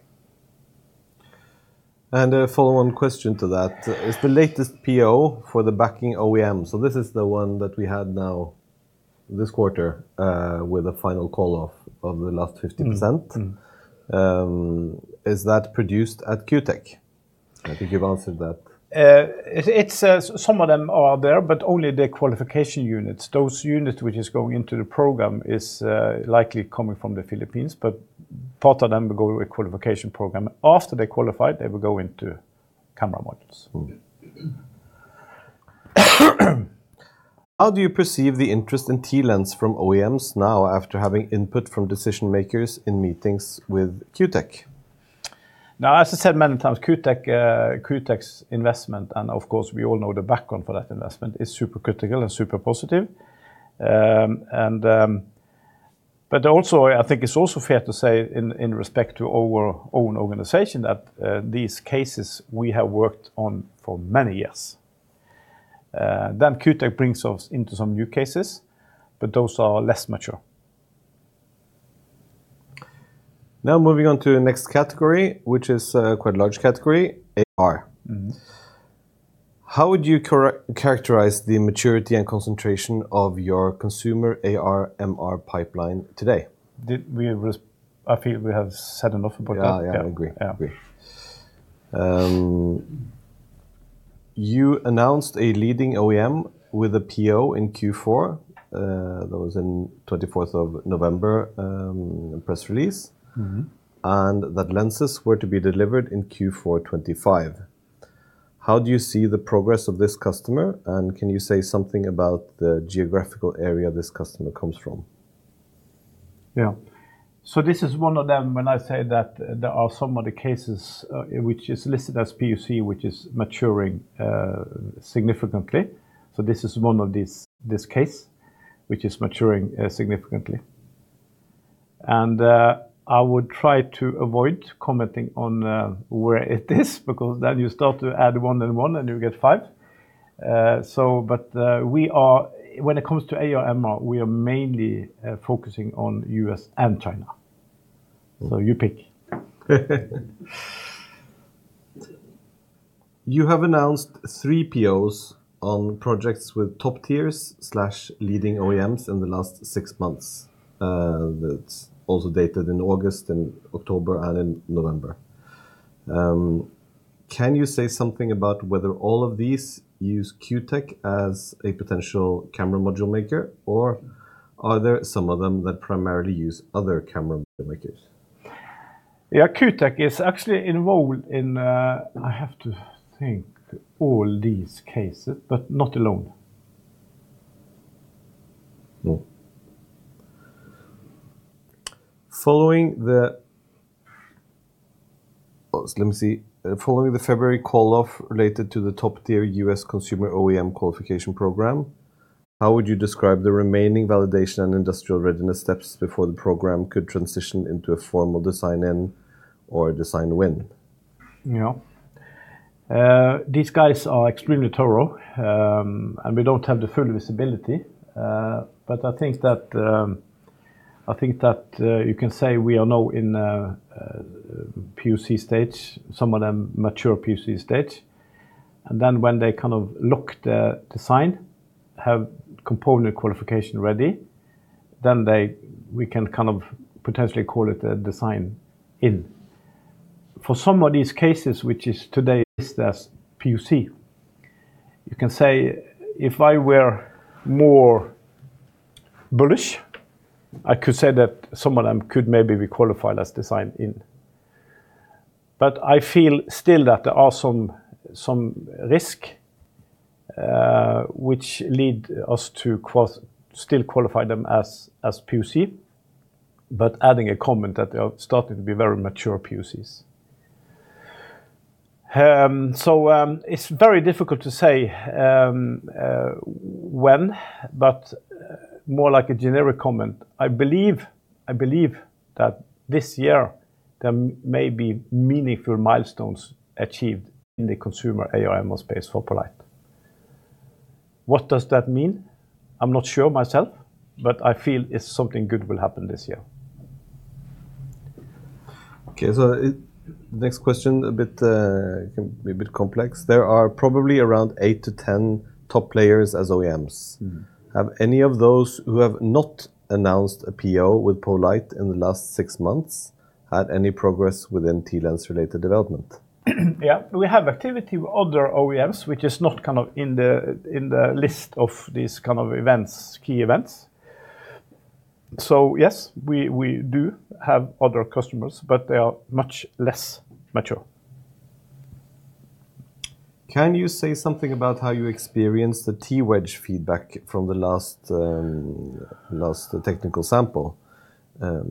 A follow-on question to that, is the latest PO for the backing OEM. This is the one that we had now, this quarter, with a final call-off of the last 50%. Mm-hmm. Is that produced at Q Tech? I think you've answered that. It's some of them are there, only the qualification units. Those units which is going into the program is likely coming from the Philippines. Part of them will go through a qualification program. After they qualified, they will go into camera modules. Mm-hmm. How do you perceive the interest in TLens from OEMs now, after having input from decision-makers in meetings with Q Tech? As I said many times, Q Tech, Q Tech's investment, and of course, we all know the background for that investment, is super critical and super positive. Also, I think it's also fair to say in respect to our own organization, that these cases we have worked on for many years. Q Tech brings us into some new cases, but those are less mature. Moving on to the next category, which is quite a large category, AR. Mm-hmm. How would you characterize the maturity and concentration of your consumer AR/MR pipeline today? I feel we have said enough about that. Yeah. Yeah, I agree. Yeah. Agree. You announced a leading OEM with a PO in Q4, that was in 24th of November, press release. Mm-hmm. That lenses were to be delivered in Q4 2025. How do you see the progress of this customer, and can you say something about the geographical area this customer comes from? Yeah. This is one of them, when I say that there are some of the cases, which is listed as PoC, which is maturing significantly. This is one of these, this case, which is maturing significantly. I would try to avoid commenting on where it is, because then you start to add one and one, and you get five. When it comes to AR/MR, we are mainly focusing on U.S. and China. You pick. You have announced three POs on projects with top-tiers/leading OEMs in the last six months, that's also dated in August and October and in November. Can you say something about whether all of these use Q Tech as a potential camera module maker, or are there some of them that primarily use other camera module makers? Yeah, Q Tech is actually involved in, I have to think all these cases, but not alone. Oh, let me see. Following the February call-off related to the top-tier U.S. consumer OEM qualification program, how would you describe the remaining validation and industrial readiness steps before the program could transition into a formal design-in or a design win? Yeah. These guys are extremely thorough, and we don't have the full visibility, but I think that I think that you can say we are now in a PoC stage, some of them mature PoC stage. Then when they kind of lock their design, have component qualification ready, then we can kind of potentially call it a design-in. For some of these cases, which is today listed as PoC, you can say, if I were more bullish, I could say that some of them could maybe be qualified as design-in. I feel still that there are some risk, which lead us to still qualify them as PoC, but adding a comment that they are starting to be very mature PoCs. It's very difficult to say when, but more like a generic comment, I believe that this year, there may be meaningful milestones achieved in the consumer AR/MR space for poLight. What does that mean? I'm not sure myself, but I feel it's something good will happen this year. Okay, next question, a bit complex. There are probably around eight to 10 top players as OEMs. Mm-hmm. Have any of those who have not announced a PO with poLight in the last six months, had any progress within TLens related development? Yeah, we have activity with other OEMs, which is not kind of in the, in the list of these kind of events, key events. Yes, we do have other customers, but they are much less mature. Can you say something about how you experienced the TWedge feedback from the last technical sample?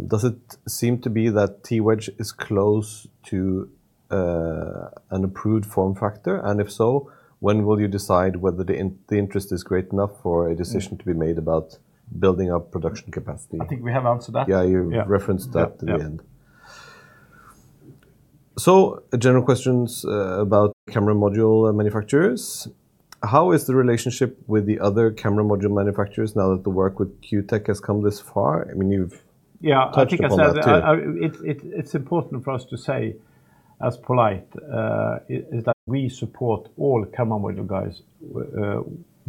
Does it seem to be that TWedge is close to an approved form factor? If so, when will you decide whether the interest is great enough for a decision? Mm to be made about building up production capacity? I think we have answered that. Yeah, you-. Yeah referenced that at the end. Yeah. General questions about camera module manufacturers. How is the relationship with the other camera module manufacturers now that the work with Q Tech has come this far? Yeah touched on that, too. I think I said, it's important for us to say, as poLight is that we support all camera module guys,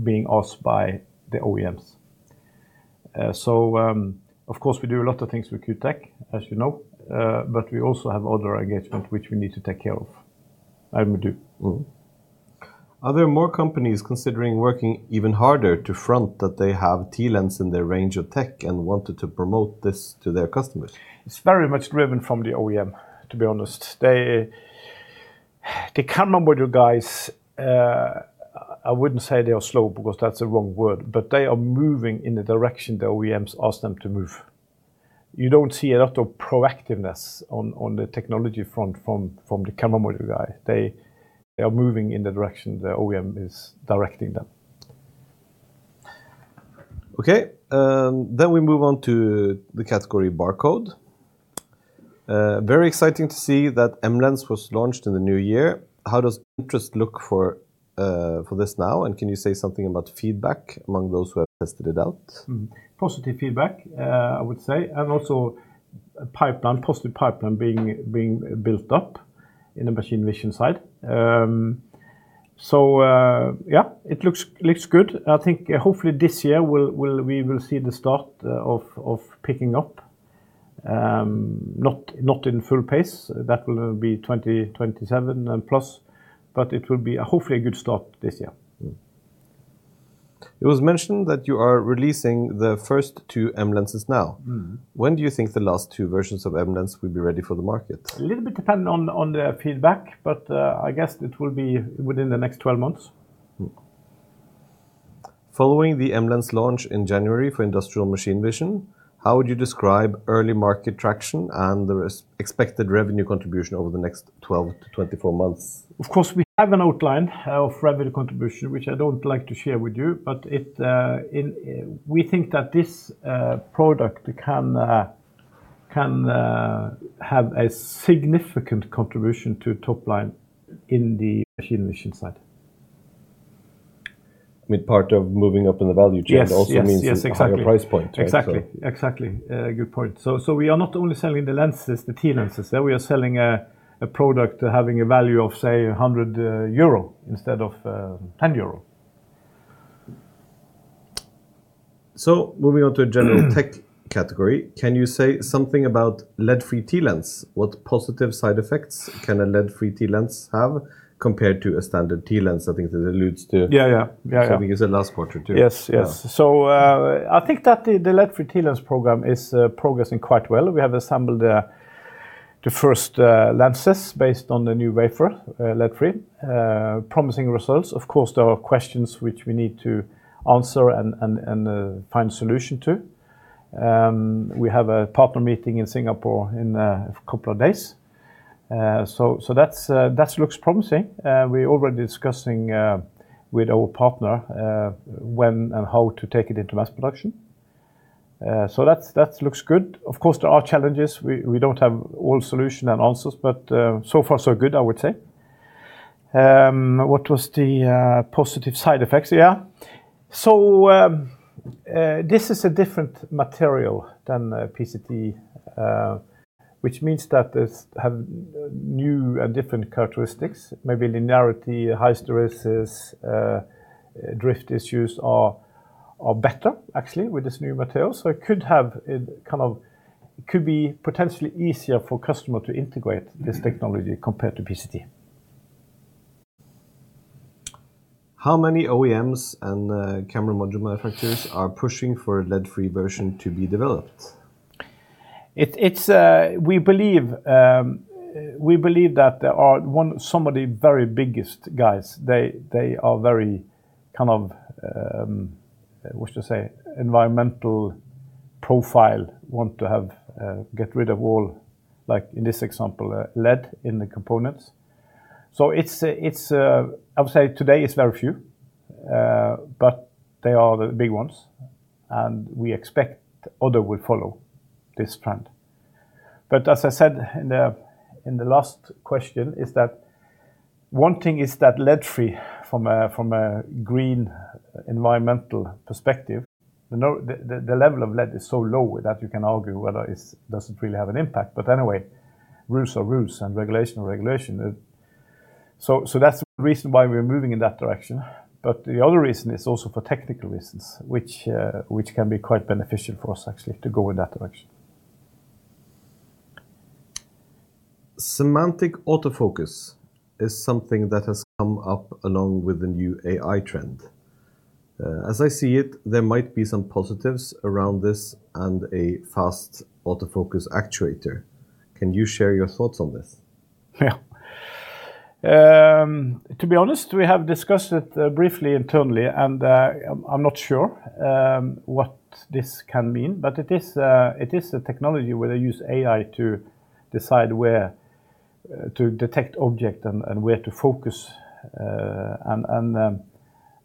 being asked by the OEMs. Of course, we do a lot of things with Q Tech, as you know. We also have other engagement, which we need to take care of. I would do. Are there more companies considering working even harder to front that they have TLens in their range of tech and wanted to promote this to their customers? It's very much driven from the OEM, to be honest. They, the camera module guys, I wouldn't say they are slow because that's the wrong word, but they are moving in the direction the OEMs ask them to move. You don't see a lot of proactiveness on the technology front from the camera module guy. They are moving in the direction the OEM is directing them. We move on to the category barcode. Very exciting to see that MLens was launched in the new year. How does interest look for this now, and can you say something about feedback among those who have tested it out? Positive feedback, I would say, and also a pipeline, positive pipeline being built up in the machine vision side. Yeah, it looks good. I think hopefully this year, we will see the start of picking up, not in full pace. That will be 2027 and plus, it will be hopefully a good start this year. It was mentioned that you are releasing the first two MLenses now. Mm-hmm. When do you think the last two versions of MLens will be ready for the market? A little bit depend on the feedback, but, I guess it will be within the next 12 months. Following the MLens launch in January for industrial machine vision, how would you describe early market traction and the expected revenue contribution over the next 12 to 24 months? Of course, we have an outline of revenue contribution, which I don't like to share with you, but it, we think that this product can have a significant contribution to top line in the machine vision side. With part of moving up in the value chain. Yes, yes. Also means. Yes, exactly. higher price point, right? Exactly. good point. We are not only selling the lenses, the TLens, there we are selling a product having a value of, say, 100 euro instead of 10 euro. Moving on to a general tech category, can you say something about lead-free TLens? What positive side effects can a lead-free TLens have compared to a standard TLens? I think that alludes to. Yeah, yeah. Yeah, yeah. Something in the last quarter, too. Yes, yes. Yeah. I think that the lead-free TLens program is progressing quite well. We have assembled the first lenses based on the new wafer, lead-free, promising results. Of course, there are questions which we need to answer and find solution to. We have a partner meeting in Singapore in a couple of days. That looks promising. We're already discussing with our partner when and how to take it into mass production. That looks good. Of course, there are challenges. We don't have all solution and answers, but so far, so good, I would say. What was the positive side effects? Yeah. This is a different material than PZT, which means that this have new and different characteristics, maybe linearity, hysteresis, drift issues are better, actually, with this new material. It kind of could be potentially easier for customer to integrate this technology compared to PZT. How many OEMs and camera module manufacturers are pushing for a lead-free version to be developed? It's we believe, we believe that there are some of the very biggest guys, they are very kind of, what you say, environmental profile, want to have get rid of all, like in this example, lead in the components. It's I would say today, it's very few, but they are the big ones, and we expect other will follow this trend. As I said in the last question, is that one thing is that lead-free from a green environmental perspective, the level of lead is so low that you can argue whether it doesn't really have an impact. Anyway, rules are rules, and regulation are regulation. That's the reason why we're moving in that direction. The other reason is also for technical reasons, which can be quite beneficial for us, actually, to go in that direction. Semantic autofocus is something that has come up along with the new AI trend. As I see it, there might be some positives around this and a fast autofocus actuator. Can you share your thoughts on this? Yeah. To be honest, we have discussed it briefly internally, and I'm not sure what this can mean. It is a technology where they use AI to decide where to detect object and where to focus.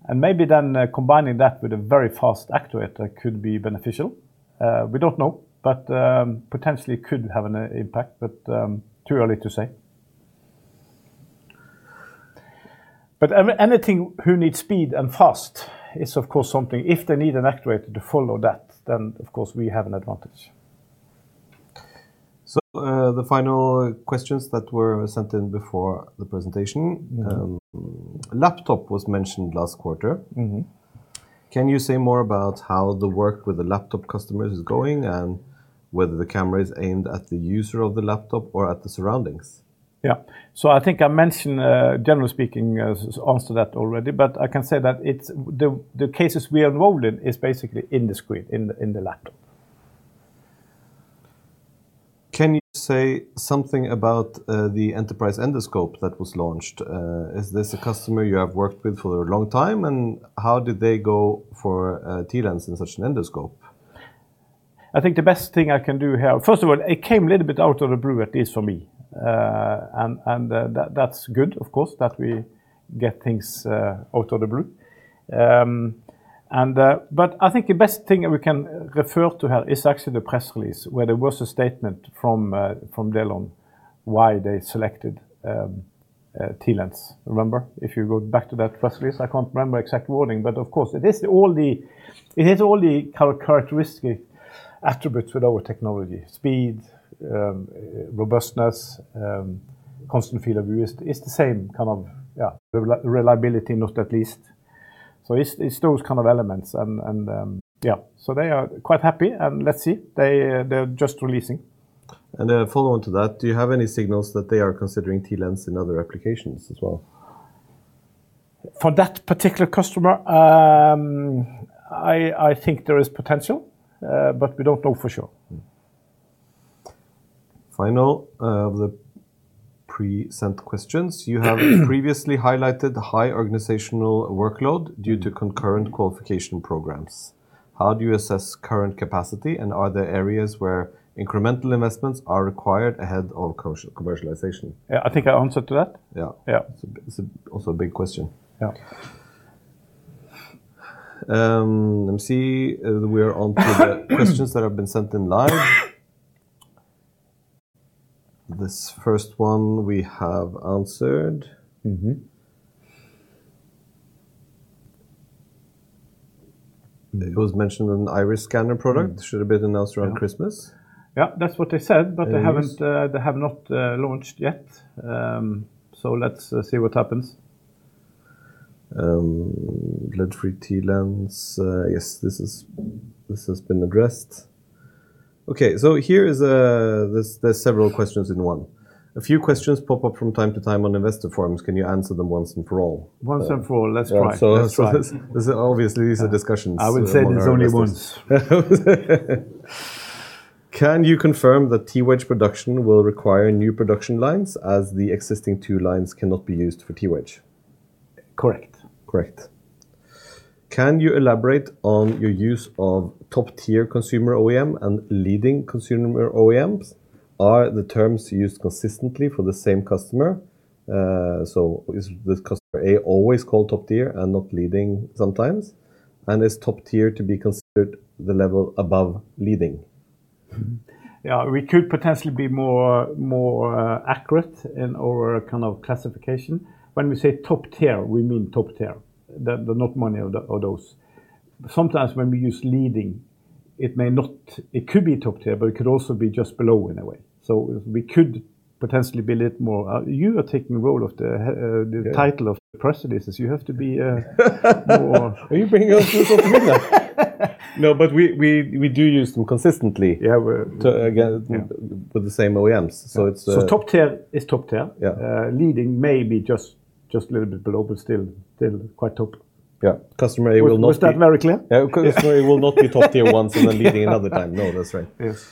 Maybe then combining that with a very fast actuator could be beneficial. We don't know. Potentially could have an impact, too early to say. Anything who needs speed and fast is, of course, something. If they need an actuator to follow that, of course, we have an advantage. The final questions that were sent in before the presentation. Mm-hmm. Laptop was mentioned last quarter. Mm-hmm. Can you say more about how the work with the laptop customers is going, and whether the camera is aimed at the user of the laptop or at the surroundings? I think I mentioned, generally speaking, as answer to that already, but I can say that it's the cases we are involved in is basically in the screen, in the laptop. Can you say something about the enterprise endoscope that was launched? Is this a customer you have worked with for a long time, how did they go for TLens in such an endoscope? I think the best thing I can do here. First of all, it came a little bit out of the blue, at least for me. That's good, of course, that we get things out of the blue. I think the best thing that we can refer to here is actually the press release, where there was a statement from Dellon, why they selected TLens. Remember? If you go back to that press release, I can't remember exact wording, but of course, it is all the, it has all the characteristic attributes with our technology, speed, robustness, constant field of view. It's the same kind of, yeah, reliability, not at least. It's those kind of elements, and, yeah, so they are quite happy, and let's see. They, they're just releasing. Then a follow on to that, do you have any signals that they are considering TLens in other applications as well? For that particular customer, I think there is potential, but we don't know for sure. Final of the pre-sent questions: You previously highlighted the high organizational workload due to concurrent qualification programs. How do you assess current capacity, and are there areas where incremental investments are required ahead of commercialization? Yeah, I think I answered to that. Yeah. Yeah. It's also a big question. Yeah. Let me see if we are on to questions that have been sent in live. This first one we have answered. Mm-hmm. It was mentioned an IRIS scanner product. Should have been announced around Christmas? Yeah, that's what they said, but they haven't-. Yes They have not launched yet. Let's see what happens. Lens for TLens, yes, this has been addressed. Here is a, there's several questions in one. A few questions pop up from time to time on investor forums. Can you answer them once and for all? Once and for all. Let's try. Yeah. Let's try. Obviously, these are discussions. I will say there's only one. Can you confirm that TWedge production will require new production lines, as the existing two lines cannot be used for TWedge? Correct. Correct. Can you elaborate on your use of top-tier consumer OEM and leading consumer OEMs? Are the terms used consistently for the same customer? Is this customer A always called top-tier and not leading sometimes, and is top-tier to be considered the level above leading? We could potentially be more accurate in our kind of classification. When we say top-tier, we mean top-tier. There not many of those. Sometimes when we use leading, it may not, it could be top-tier, but it could also be just below in a way. We could potentially be a little more. You are taking the role of the. Yeah Title of the prerequisites. You have to be. Are you bringing up the middle? No, we do use them consistently. Yeah. To, again- Yeah with the same OEMs. It's. top-tier is top-tier. Yeah. Leading may be just a little bit below, but still quite top. Yeah. Customer A will not be- Was that very clear? Yeah, customer A will not be top-tier once and then leading another time. No, that's right. Yes.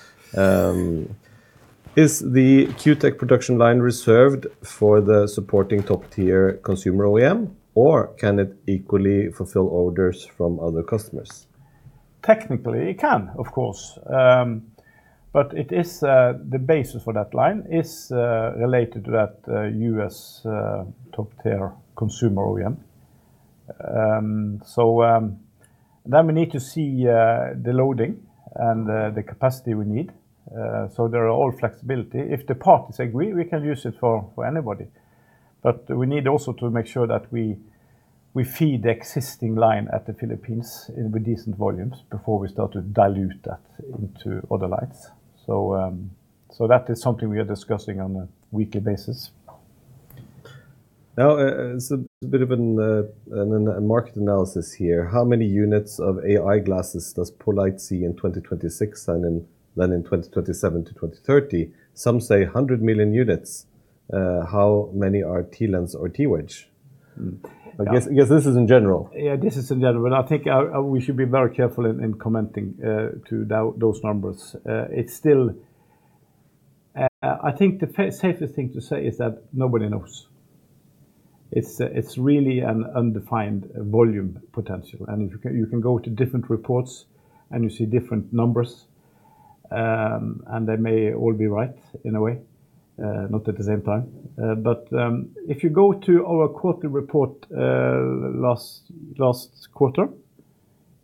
Is the Q Tech production line reserved for the supporting top-tier consumer OEM, or can it equally fulfill orders from other customers? Technically, it can, of course. It is the basis for that line is related to that U.S. top-tier consumer OEM. Then we need to see the loading and the capacity we need. There are all flexibility. If the parties agree, we can use it for anybody. We need also to make sure that we feed the existing line at the Philippines with decent volumes before we start to dilute that into other lights. That is something we are discussing on a weekly basis. A bit of a market analysis here. How many units of AI glasses does poLight see in 2026, then in 2027-2030? Some say 100 million units. How many are TLens or TWedge? Mm. I guess this is in general. Yeah, this is in general. I think we should be very careful in commenting those numbers. It's still. I think the safest thing to say is that nobody knows. It's really an undefined volume potential, and if you can, you can go to different reports, and you see different numbers, and they may all be right in a way, not at the same time. If you go to our quarterly report, last quarter.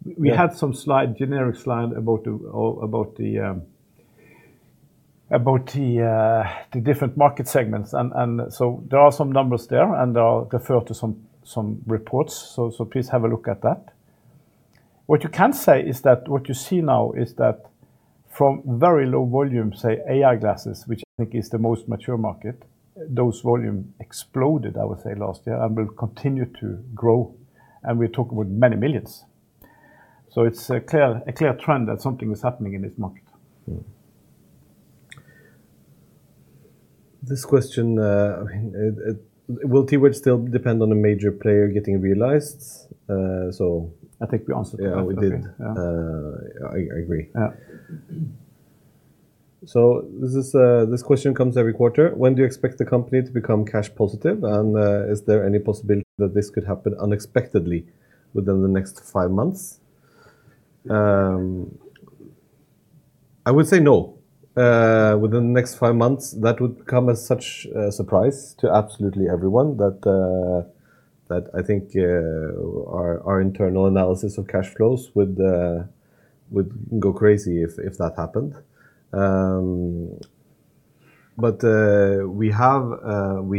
Yeah We had some slide, generic slide about the different market segments. There are some numbers there, and they'll refer to some reports. Please have a look at that. What you can say is that what you see now is that from very low volume, say, AI glasses, which I think is the most mature market, those volume exploded, I would say, last year, and will continue to grow, and we talk about many millions. It's a clear trend that something is happening in this market. Mm-hmm. This question, I mean, it will TWedge still depend on a major player getting realized? I think we answered that. Yeah, we did. Yeah. I agree. Yeah. This is, this question comes every quarter: When do you expect the company to become cash positive, and is there any possibility that this could happen unexpectedly within the next five months? I would say no. Within the next five months, that would come as such a surprise to absolutely everyone that I think our internal analysis of cash flows would go crazy if that happened. We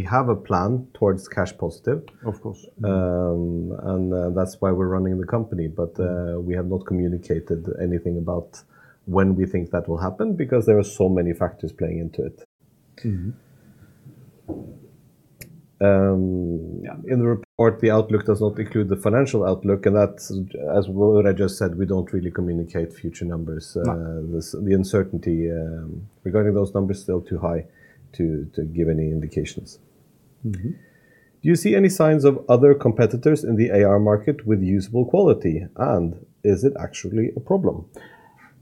have a plan towards cash positive. Of course. That's why we're running the company, but we have not communicated anything about when we think that will happen, because there are so many factors playing into it. Mm-hmm. In the report, the outlook does not include the financial outlook, and that's, as what I just said, we don't really communicate future numbers. No. The uncertainty regarding those numbers is still too high to give any indications. Mm-hmm. Do you see any signs of other competitors in the AR market with usable quality, and is it actually a problem?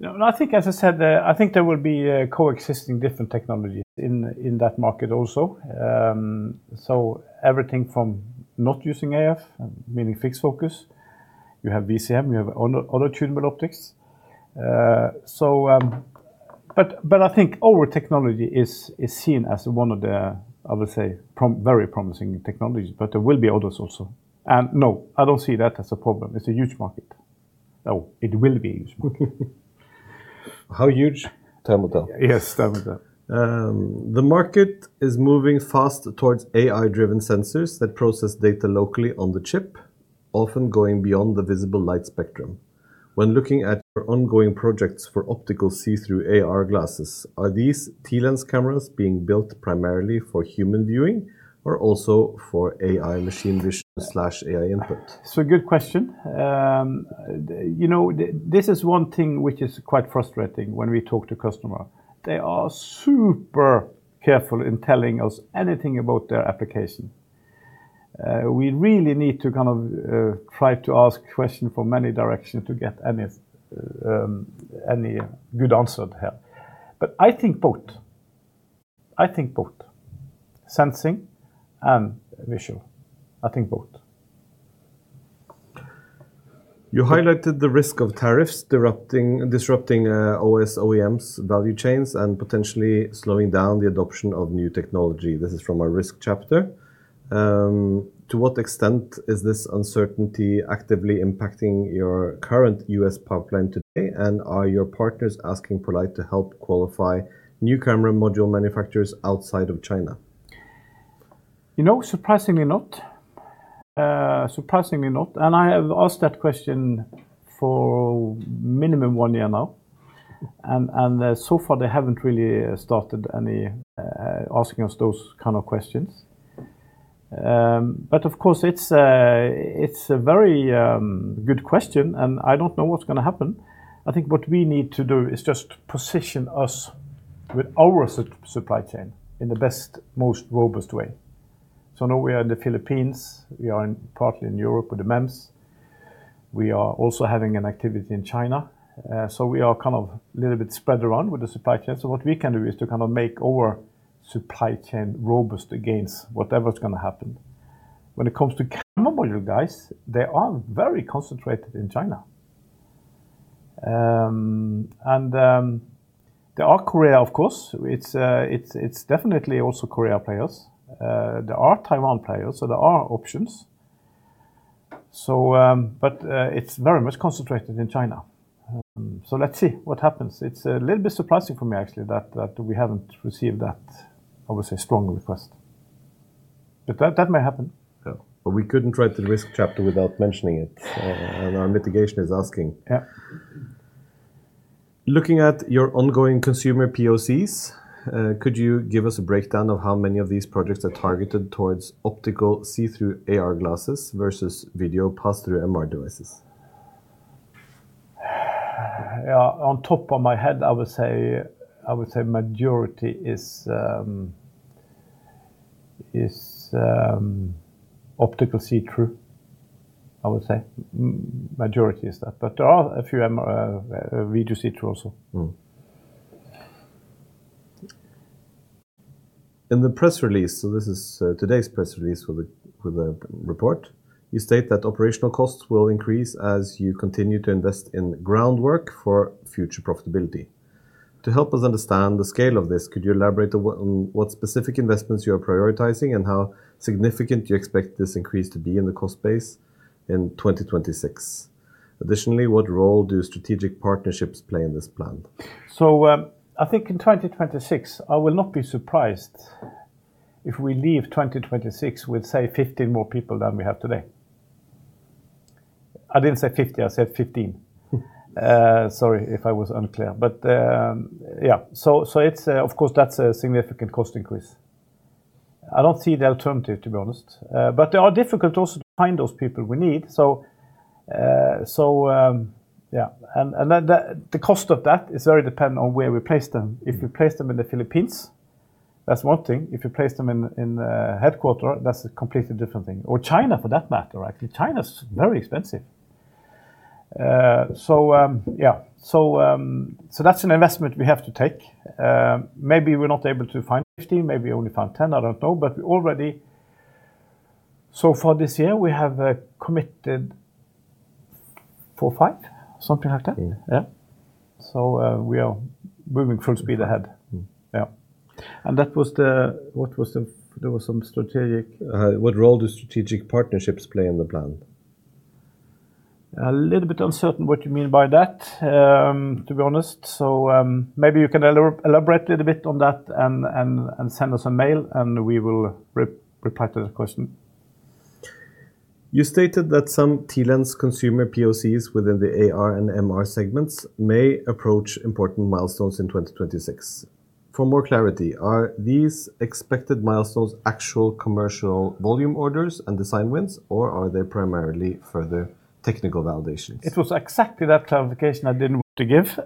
No, I think, as I said, I think there will be coexisting different technologies in that market also. Everything from not using AF, meaning fixed focus, you have VCM, you have other tunable optics. I think our technology is seen as one of the, I would say, very promising technologies, but there will be others also. No, I don't see that as a problem. It's a huge market. Oh, it will be huge. How huge? Tell me that. Yes, tell me that. The market is moving fast towards AI-driven sensors that process data locally on the chip, often going beyond the visible light spectrum. When looking at your ongoing projects for optical see-through AR glasses, are these TLens cameras being built primarily for human viewing or also for AI machine vision/AI input? Good question. You know, this is one thing which is quite frustrating when we talk to customer. They are super careful in telling us anything about their application. We really need to kind of try to ask question from many direction to get any good answer to have. I think both. I think both sensing and visual. I think both. You highlighted the risk of tariffs disrupting OS OEMs value chains and potentially slowing down the adoption of new technology. This is from our risk chapter. To what extent is this uncertainty actively impacting your current U.S. pipeline today? Are your partners asking poLight to help qualify new camera module manufacturers outside of China? You know, surprisingly not. Surprisingly not. I have asked that question for minimum one year now, so far they haven't really started any asking us those kind of questions. Of course, it's a very good question. I don't know what's going to happen. I think what we need to do is just position us with our supply chain in the best, most robust way. Now we are in the Philippines, we are partly in Europe with the MEMS. We are also having an activity in China. We are kind of a little bit spread around with the supply chain. What we can do is to kind of make our supply chain robust against whatever is going to happen. When it comes to camera module, guys, they are very concentrated in China. There are Korea, of course, it's definitely also Korea players. There are Taiwan players, so there are options. It's very much concentrated in China. Let's see what happens. It's a little bit surprising for me, actually, that we haven't received that, I would say, strong request. That may happen. Yeah. We couldn't write the risk chapter without mentioning it. Our mitigation is asking. Yeah. Looking at your ongoing consumer PoCs, could you give us a breakdown of how many of these projects are targeted towards optical see-through AR glasses versus video passthrough MR devices? On top of my head, I would say majority is optical see-through, I would say. Majority is that, but there are a few video see-through also. In the press release, so this is today's press release for the report, you state that operational costs will increase as you continue to invest in groundwork for future profitability. To help us understand the scale of this, could you elaborate on what specific investments you are prioritizing and how significant you expect this increase to be in the cost base in 2026? Additionally, what role do strategic partnerships play in this plan? I think in 2026, I will not be surprised if we leave 2026 with, say, 15 more people than we have today. I didn't say 50, I said 15. Sorry if I was unclear, but of course, that's a significant cost increase. I don't see the alternative, to be honest. They are difficult also to find those people we need. The cost of that is very dependent on where we place them. Mm-hmm. If we place them in the Philippines, that's one thing. If you place them in the headquarter, that's a completely different thing. China, for that matter, actually, China's very expensive. Yeah. That's an investment we have to take. Maybe we're not able to find 15, maybe we only find 10, I don't know, but we already. Far this year, we have committed four, five, something like that. Yeah. Yeah. We are moving full speed ahead. Mm-hmm. Yeah. That was what was the, there was some strategic- What role do strategic partnerships play in the plan? A little bit uncertain what you mean by that, to be honest. Maybe you can elaborate a little bit on that and send us a mail, and we will reply to the question. You stated that some TLens consumer PoCs within the AR and MR segments may approach important milestones in 2026. For more clarity, are these expected milestones actual commercial volume orders and design wins, or are they primarily further technical validations? It was exactly that clarification I didn't want to give.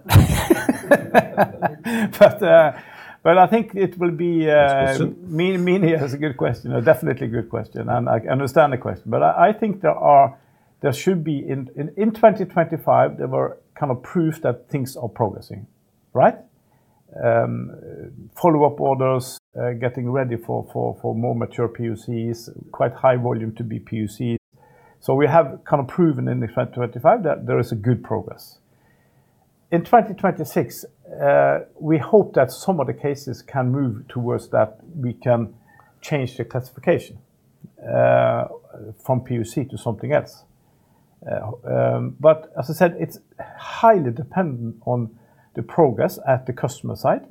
Well, I think it will be... That's good. Mini has a good question, a definitely good question, and I understand the question. I think there should be, in 2025, there were kind of proof that things are progressing, right? Follow-up orders, getting ready for more mature PoCs, quite high volume to be PoC. We have kind of proven in the 2025 that there is a good progress. In 2026, we hope that some of the cases can move towards that we can change the classification, from PoC to something else. But as I said, it's highly dependent on the progress at the customer site,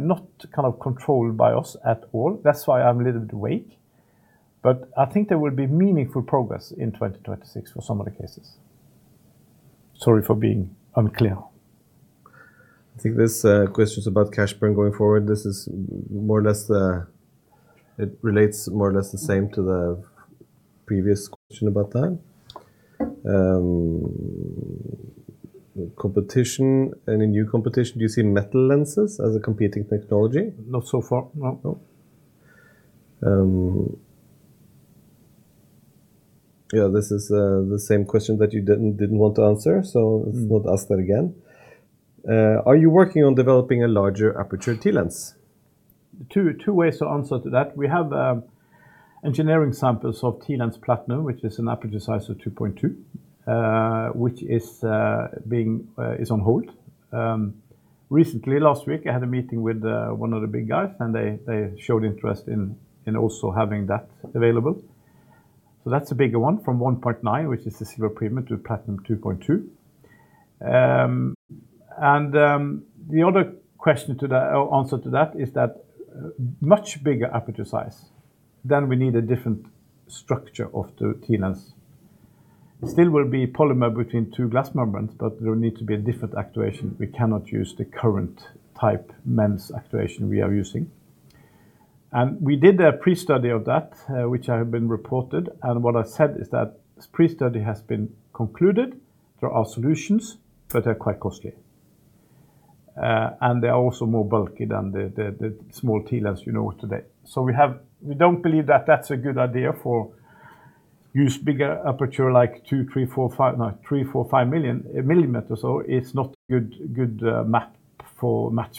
not kind of controlled by us at all. That's why I'm a little bit wait, but I think there will be meaningful progress in 2026 for some of the cases. Sorry for being unclear. I think this question is about cash burn going forward. It relates more or less the same to the previous question about that. Competition, any new competition, do you see metalenses as a competing technology? Not so far, no. No. Yeah, this is the same question that you didn't want to answer. Mm-hmm We won't ask that again. Are you working on developing a larger aperture TLens? Two ways to answer to that. We have engineering samples of TLens Platinum, which is an aperture size of 2.2, which is being is on hold. Recently, last week, I had a meeting with one of the big guys, and they showed interest in also having that available. That's a bigger one from 1.9, which is the Silver Premium, to Platinum 2.2. The other question to that or answer to that is that much bigger aperture size, then we need a different structure of the TLens. It still will be polymer between two glass membranes, but there will need to be a different actuation. We cannot use the current type MEMS actuation we are using. We did a pre-study of that, which I have been reported, and what I said is that pre-study has been concluded. There are solutions, but they're quite costly. They are also more bulky than the small TLens you know today. We don't believe that that's a good idea for use bigger aperture like two, three, four, five, no, three, four, five million, millimeters, so it's not good, match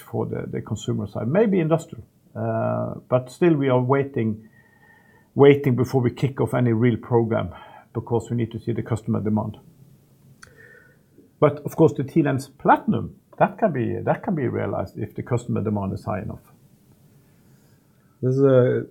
for the consumer side. Maybe industrial, still we are waiting before we kick off any real program because we need to see the customer demand. Of course, the TLens Platinum, that can be realized if the customer demand is high enough. This is a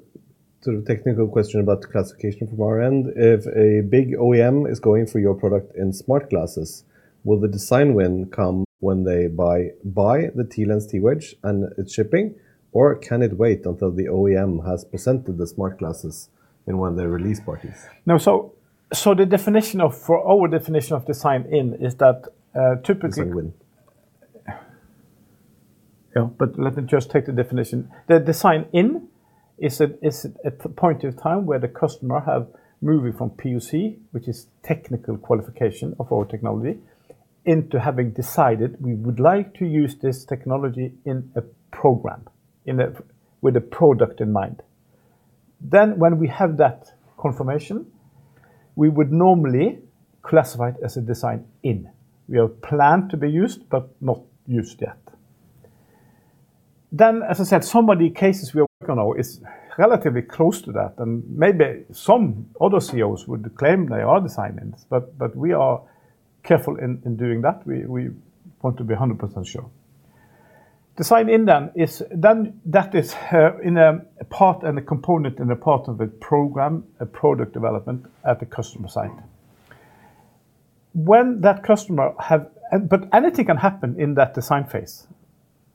sort of technical question about classification from our end. If a big OEM is going for your product in smart glasses, will the design win come when they buy the TLens, TWedge, and it's shipping, or can it wait until the OEM has presented the smart glasses in one of their release parties? No. So the definition of, for our definition of design-in is that. Design win. Let me just take the definition. The design-in is a point of time where the customer have moving from PoC, which is technical qualification of our technology, into having decided we would like to use this technology in a program, with a product in mind. When we have that confirmation, we would normally classify it as a design-in. We have planned to be used, but not used yet. As I said, some of the cases we are working on is relatively close to that, and maybe some other CEOs would claim they are design-ins, but we are careful in doing that. We want to be 100% sure. Design-in them is then, that is, in a part and a component in a part of a program, a product development at the customer site. Anything can happen in that design phase.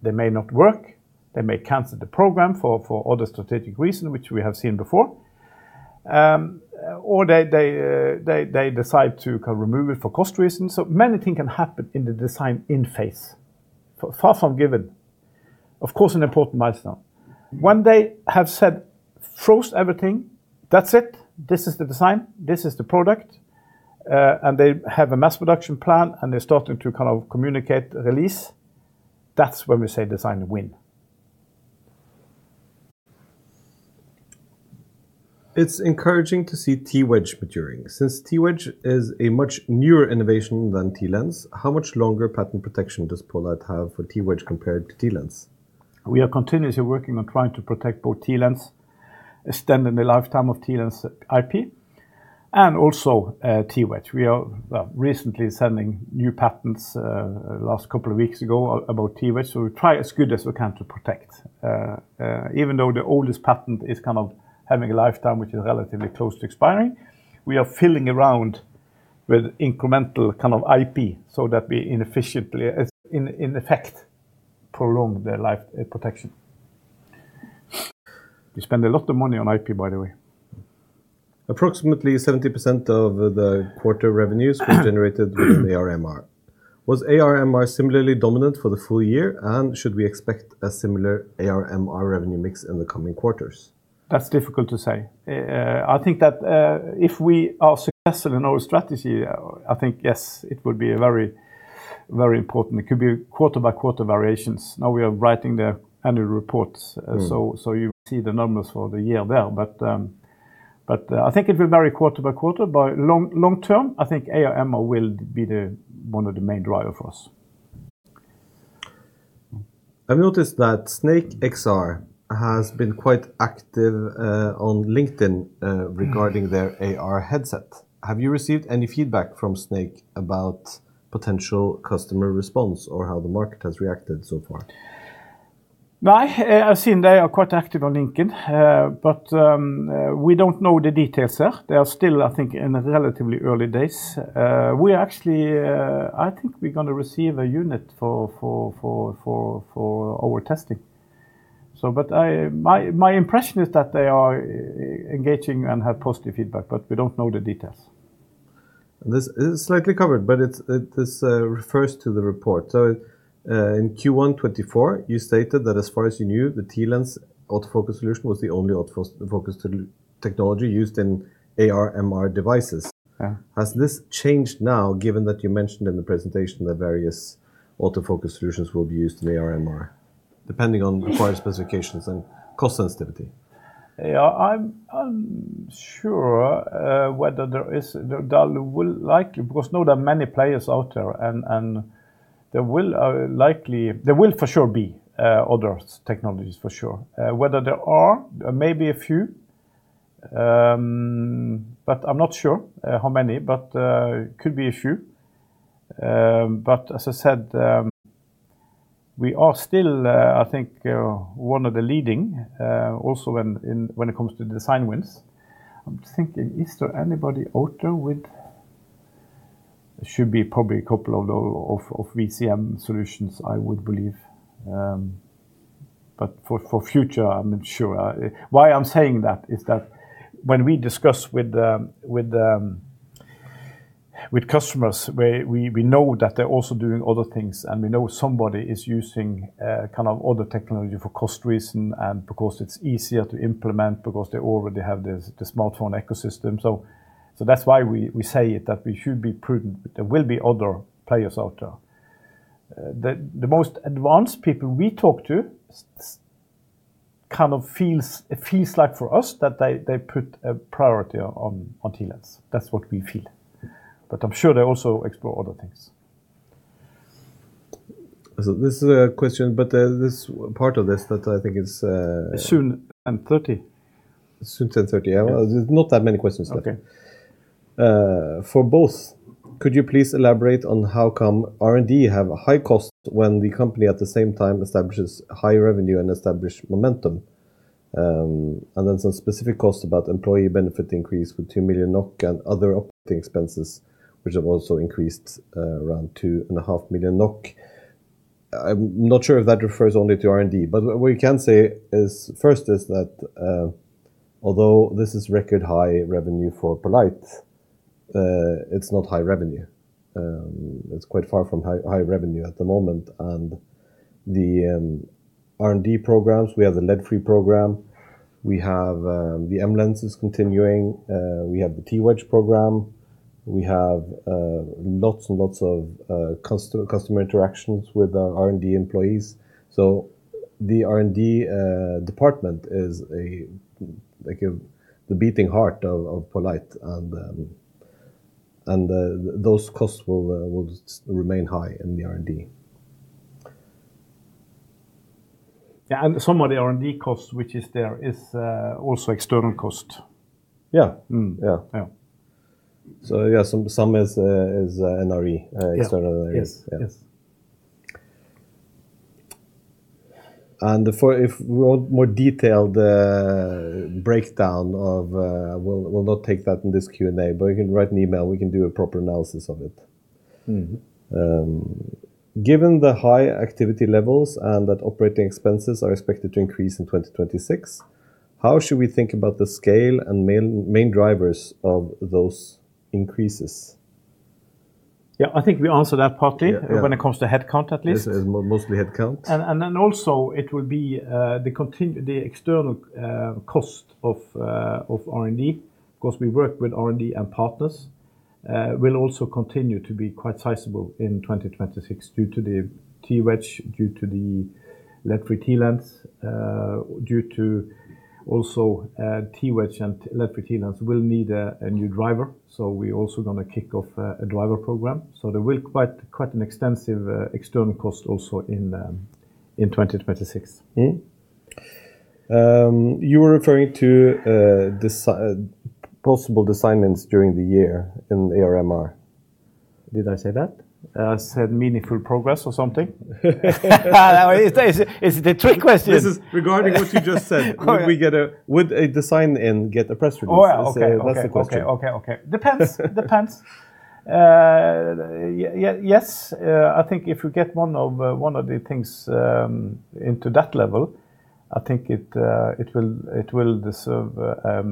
They may not work, they may cancel the program for other strategic reason, which we have seen before. They decide to kind of remove it for cost reasons. Many thing can happen in the design-in phase, for far from given. Of course, an important milestone. When they have said, froze everything, that's it, this is the design, this is the product, and they have a mass production plan, and they're starting to kind of communicate the release, that's when we say design win. It's encouraging to see TWedge maturing. Since TWedge is a much newer innovation than TLens, how much longer patent protection does poLight have for TWedge compared to TLens? We are continuously working on trying to protect both TLens, extending the lifetime of TLens IP, and also, TWedge. We are, well, recently sending new patents last couple of weeks ago about TWedge, so we try as good as we can to protect. Even though the oldest patent is kind of having a lifetime, which is relatively close to expiring, we are filing around with incremental kind of IP so that we inefficiently, as in effect, prolong their life protection. We spend a lot of money on IP, by the way. Approximately 70% of the quarter revenues were generated within AR/MR. Was AR/MR similarly dominant for the full year, and should we expect a similar AR/MR revenue mix in the coming quarters? That's difficult to say. I think that, if we are successful in our strategy, I think, yes, it would be very, very important. It could be quarter-by-quarter variations. Now we are writing the annual reports, so you see the numbers for the year there. I think it will vary quarter by quarter, but long term, I think AR/MR will be one of the main driver for us. I've noticed that SnkeXR has been quite active on LinkedIn regarding their AR headset. Have you received any feedback from Snke about potential customer response, or how the market has reacted so far? I've seen they are quite active on LinkedIn, but we don't know the details there. They are still, I think, in relatively early days. We are actually, I think we're going to receive a unit for our testing. I, my impression is that they are engaging and have positive feedback, but we don't know the details. This is slightly covered, it, this refers to the report. In Q1 2024, you stated that as far as you knew, the TLens autofocus solution was the only autofocus technology used in AR/MR devices. Yeah. Has this changed now, given that you mentioned in the presentation that various autofocus solutions will be used in AR/MR, depending on required specifications and cost sensitivity? I'm sure whether there is, there will likely, because now there are many players out there, and there will for sure be other technologies, for sure. Whether there are, maybe a few, but I'm not sure how many, but could be a few. As I said, we are still I think one of the leading, also when it comes to design wins. I'm thinking, is there anybody out there with? Should be probably a couple of VCM solutions, I would believe. For future, I'm not sure. Why I'm saying that is that when we discuss with the customers, we know that they're also doing other things, and we know somebody is using kind of other technology for cost reason and because it's easier to implement, because they already have the smartphone ecosystem. That's why we say it, that we should be prudent, but there will be other players out there. The most advanced people we talk to kind of feels, it feels like for us, that they put a priority on TLens. That's what we feel, but I'm sure they also explore other things. This is a question, but, this part of this that I think is. Soon, 10:30 A.M. Soon, 10:30. Yes. There's not that many questions left. Okay. For both, could you please elaborate on how come R&D have high cost when the company, at the same time, establishes high revenue and established momentum? Then some specific costs about employee benefit increase with 2 million NOK and other operating expenses, which have also increased around two and a half million NOK. I'm not sure if that refers only to R&D, but what we can say is, first is that, although this is record high revenue for poLight, it's not high revenue. It's quite far from high, high revenue at the moment, and the R&D programs, we have the lead-free program, we have the MLens is continuing, we have the TWedge program. We have lots and lots of customer interactions with our R&D employees. The R&D department is like the beating heart of poLight, and those costs will remain high in the R&D. Yeah, some of the R&D costs, which is there, is also external cost. Yeah. Mm. Yeah. Yeah. Yeah, some is NRE external. Yes, yes. For if we want more detailed breakdown of. We'll not take that in this Q&A, but you can write an email, we can do a proper analysis of it. Mm-hmm. Given the high activity levels and that operating expenses are expected to increase in 2026, how should we think about the scale and main drivers of those increases? Yeah, I think we answered that partly. Yeah, yeah. When it comes to headcount, at least. Yes, mostly headcount. Also, it will be the external cost of R&D, because we work with R&D and partners, will also continue to be quite sizable in 2026 due to the TWedge, due to the lead-free TLens, due to also TWedge and lead-free TLens will need a new driver. We're also going to kick off a driver program. There will quite an extensive external cost also in 2026. You were referring to possible design wins during the year in AR/MR. Did I say that? I said meaningful progress or something. It's the trick question. This is regarding what you just said. Okay. Would a design win get a press release? Oh, yeah. Okay. That's the question. Okay, okay. Depends. Depends. yes, I think if we get one of, one of the things, into that level, I think it will deserve, a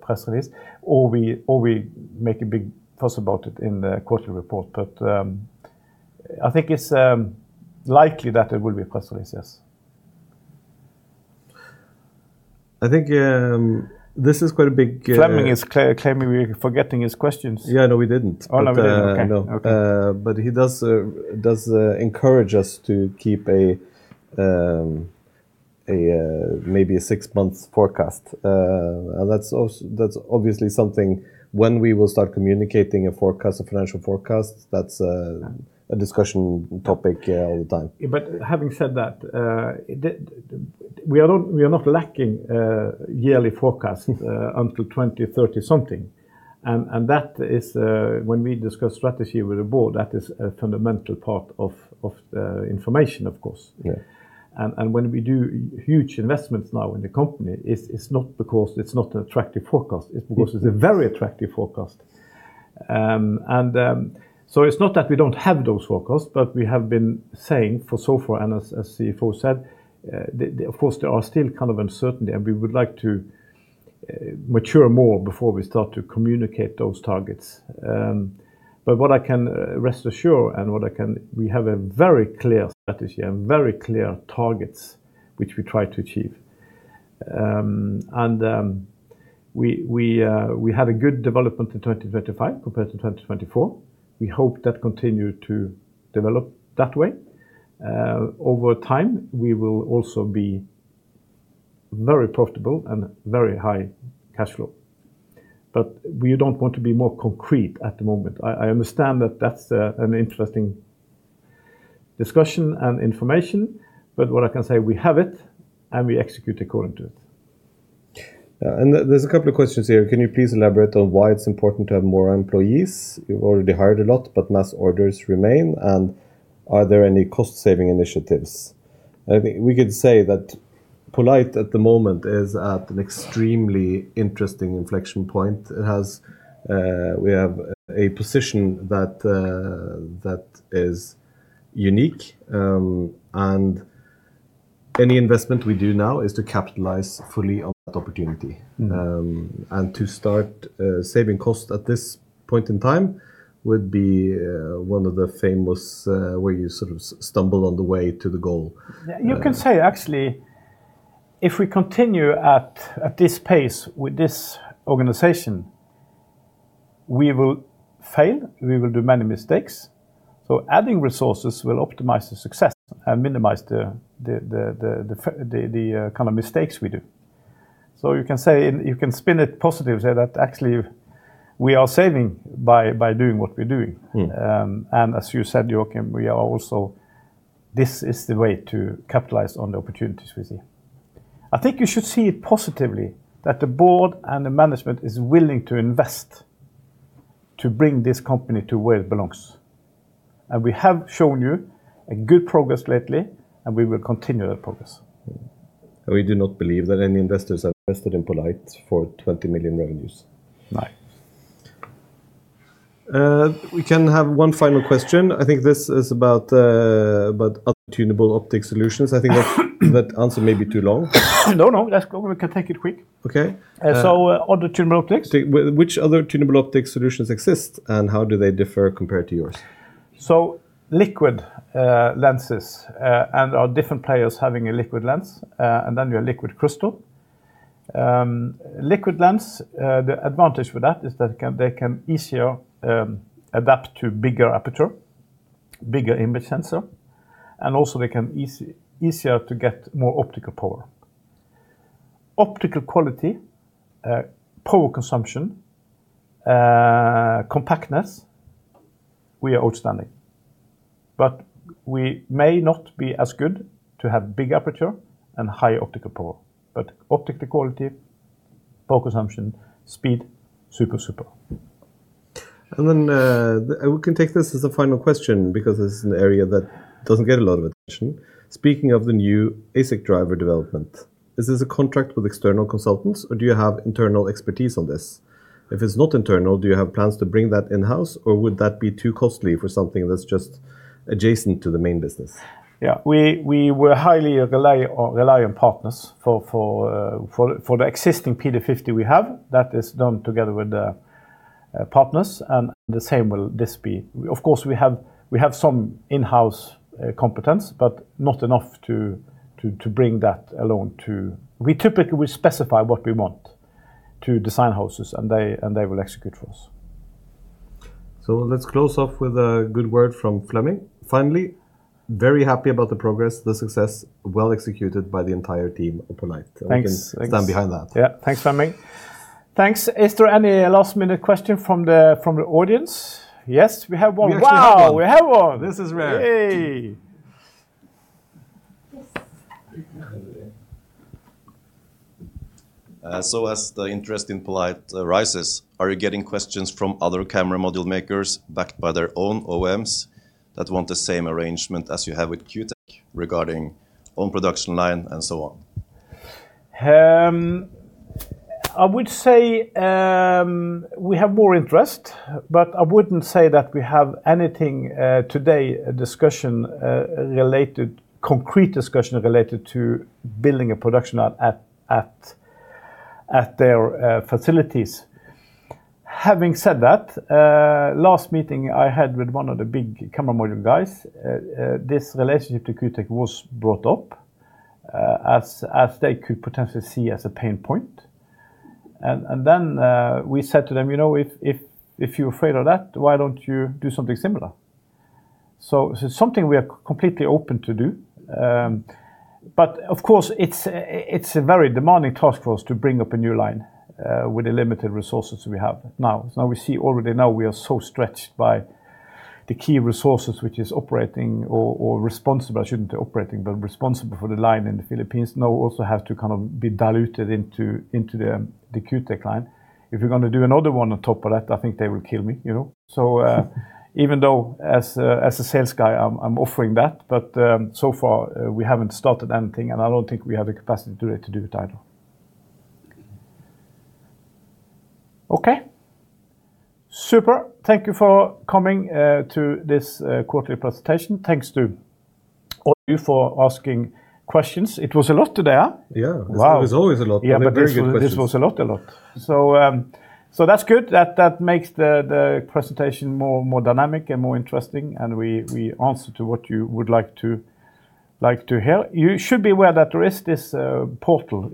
press release, or we make a big fuss about it in the quarterly report. I think it's likely that there will be a press release, yes. I think, this is quite a big Fleming is claiming we're forgetting his questions. Yeah, no, we didn't. Oh, no, we didn't. Okay. No. He does encourage us to keep maybe a six-month forecast. That's obviously something when we will start communicating a forecast, a financial forecast, that's a discussion topic all the time. Having said that, we are not lacking yearly forecast until 2030 something. That is, when we discuss strategy with the board, that is a fundamental part of information, of course. Yeah. When we do huge investments now in the company, it's not because it's not an attractive forecast. Mm. it's because it's a very attractive forecast. It's not that we don't have those forecasts, but we have been saying for so far, and as CFO said, the, of course, there are still kind of uncertainty, and we would like to mature more before we start to communicate those targets. What I can rest assure and what I can. We have a very clear strategy and very clear targets which we try to achieve. We had a good development in 2025 compared to 2024. We hope that continue to develop that way. Over time, we will also be very profitable and very high cash flow. We don't want to be more concrete at the moment. I understand that that's an interesting discussion and information, but what I can say, we have it, and we execute according to it. Yeah. There's two questions here. Can you please elaborate on why it's important to have more employees? You've already hired a lot, but mass orders remain, and are there any cost-saving initiatives? I think we could say that poLight, at the moment, is at an extremely interesting inflection point. It has, we have a position that is unique, and any investment we do now is to capitalize fully on that opportunity. Mm. To start, saving cost at this point in time would be one of the famous, where you sort of stumble on the way to the goal. You can say, actually, if we continue at this pace with this organization, we will fail, we will do many mistakes. Adding resources will optimize the success and minimize the kind of mistakes we do. You can say, you can spin it positive, say that actually, we are saving by doing what we're doing. Yeah. As you said, Joakim, we are also, this is the way to capitalize on the opportunities we see. I think you should see it positively, that the board and the management is willing to invest to bring this company to where it belongs. We have shown you a good progress lately, and we will continue that progress. We do not believe that any investors are invested in poLight for 20 million revenues. No. We can have 1 final question. I think this is about other tunable optic solutions. I think that answer may be too long. No, no, let's go. We can take it quick. Okay, Other tunable optics. Which other tunable optics solutions exist, and how do they differ compared to yours? Liquid lenses, and are different players having a liquid lens, and then your liquid crystal. Liquid lens, the advantage with that is that they can easier adapt to bigger aperture, bigger image sensor, and also they can easier to get more optical power. Optical quality, power consumption, compactness, we are outstanding. We may not be as good to have big aperture and high optical power, but optical quality, power consumption, speed, super. We can take this as a final question because this is an area that doesn't get a lot of attention. Speaking of the new ASIC driver development, is this a contract with external consultants, or do you have internal expertise on this? If it's not internal, do you have plans to bring that in-house, or would that be too costly for something that's just adjacent to the main business? Yeah, we were highly rely on partners for the existing PD50 we have, that is done together with the partners, and the same will this be. Of course, we have some in-house competence, but not enough to bring that alone to. We typically specify what we want to design houses, and they will execute for us. Let's close off with a good word from Fleming. Finally, very happy about the progress, the success, well executed by the entire team of poLight. Thanks. We can stand behind that. Yeah. Thanks, Fleming. Thanks. Is there any last-minute question from the audience? Yes, we have one. Wow! We have one. This is rare. Yay. as the interest in poLight rises, are you getting questions from other camera module makers backed by their own OEMs that want the same arrangement as you have with Q Tech regarding own production line and so on? I would say, we have more interest, but I wouldn't say that we have anything today, a discussion, related, concrete discussion related to building a production at their facilities. Having said that, last meeting I had with one of the big camera module guys, this relationship to Q Tech was brought up, as they could potentially see as a pain point. We said to them, "You know, if you're afraid of that, why don't you do something similar?" This is something we are completely open to do. Of course, it's a very demanding task for us to bring up a new line with the limited resources we have now. We see already now we are so stretched by the key resources, which is operating or responsible, I shouldn't say operating, but responsible for the line in the Philippines, now also have to kind of be diluted into the Q Tech line. If you're gonna do another one on top of that, I think they will kill me, you know? Even though as a sales guy, I'm offering that, but so far, we haven't started anything, and I don't think we have the capacity today to do it either. Okay. Super. Thank you for coming to this quarterly presentation. Thanks to all you for asking questions. It was a lot today, huh? Yeah. Wow! It's always a lot, but very good questions. Yeah, but this was a lot. so that's good. That makes the presentation more dynamic and more interesting, and we answer to what you would like to hear. You should be aware that there is this portal,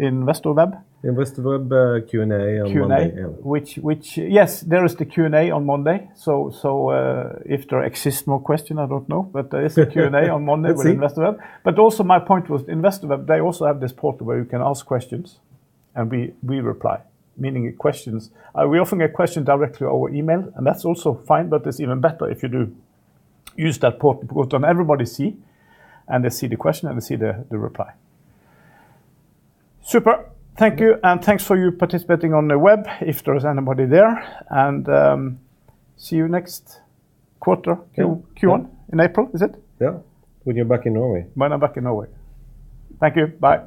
Investorweb. Investorweb, Q&A on Monday. Q&A. Yes, there is the Q&A on Monday. If there exists more question, I don't know, but there is a Q&A on Monday. Let's see. with Investorweb. Also my point was Investorweb, they also have this portal where you can ask questions, and we reply, meaning questions. We often get question directly over email, and that's also fine, but it's even better if you do use that portal because then everybody see, and they see the question, and they see the reply. Super. Thank you, and thanks for you participating on the web, if there is anybody there. See you next quarter- Yeah Q1, in April, is it? Yeah. When you're back in Norway. When I'm back in Norway. Thank you. Bye.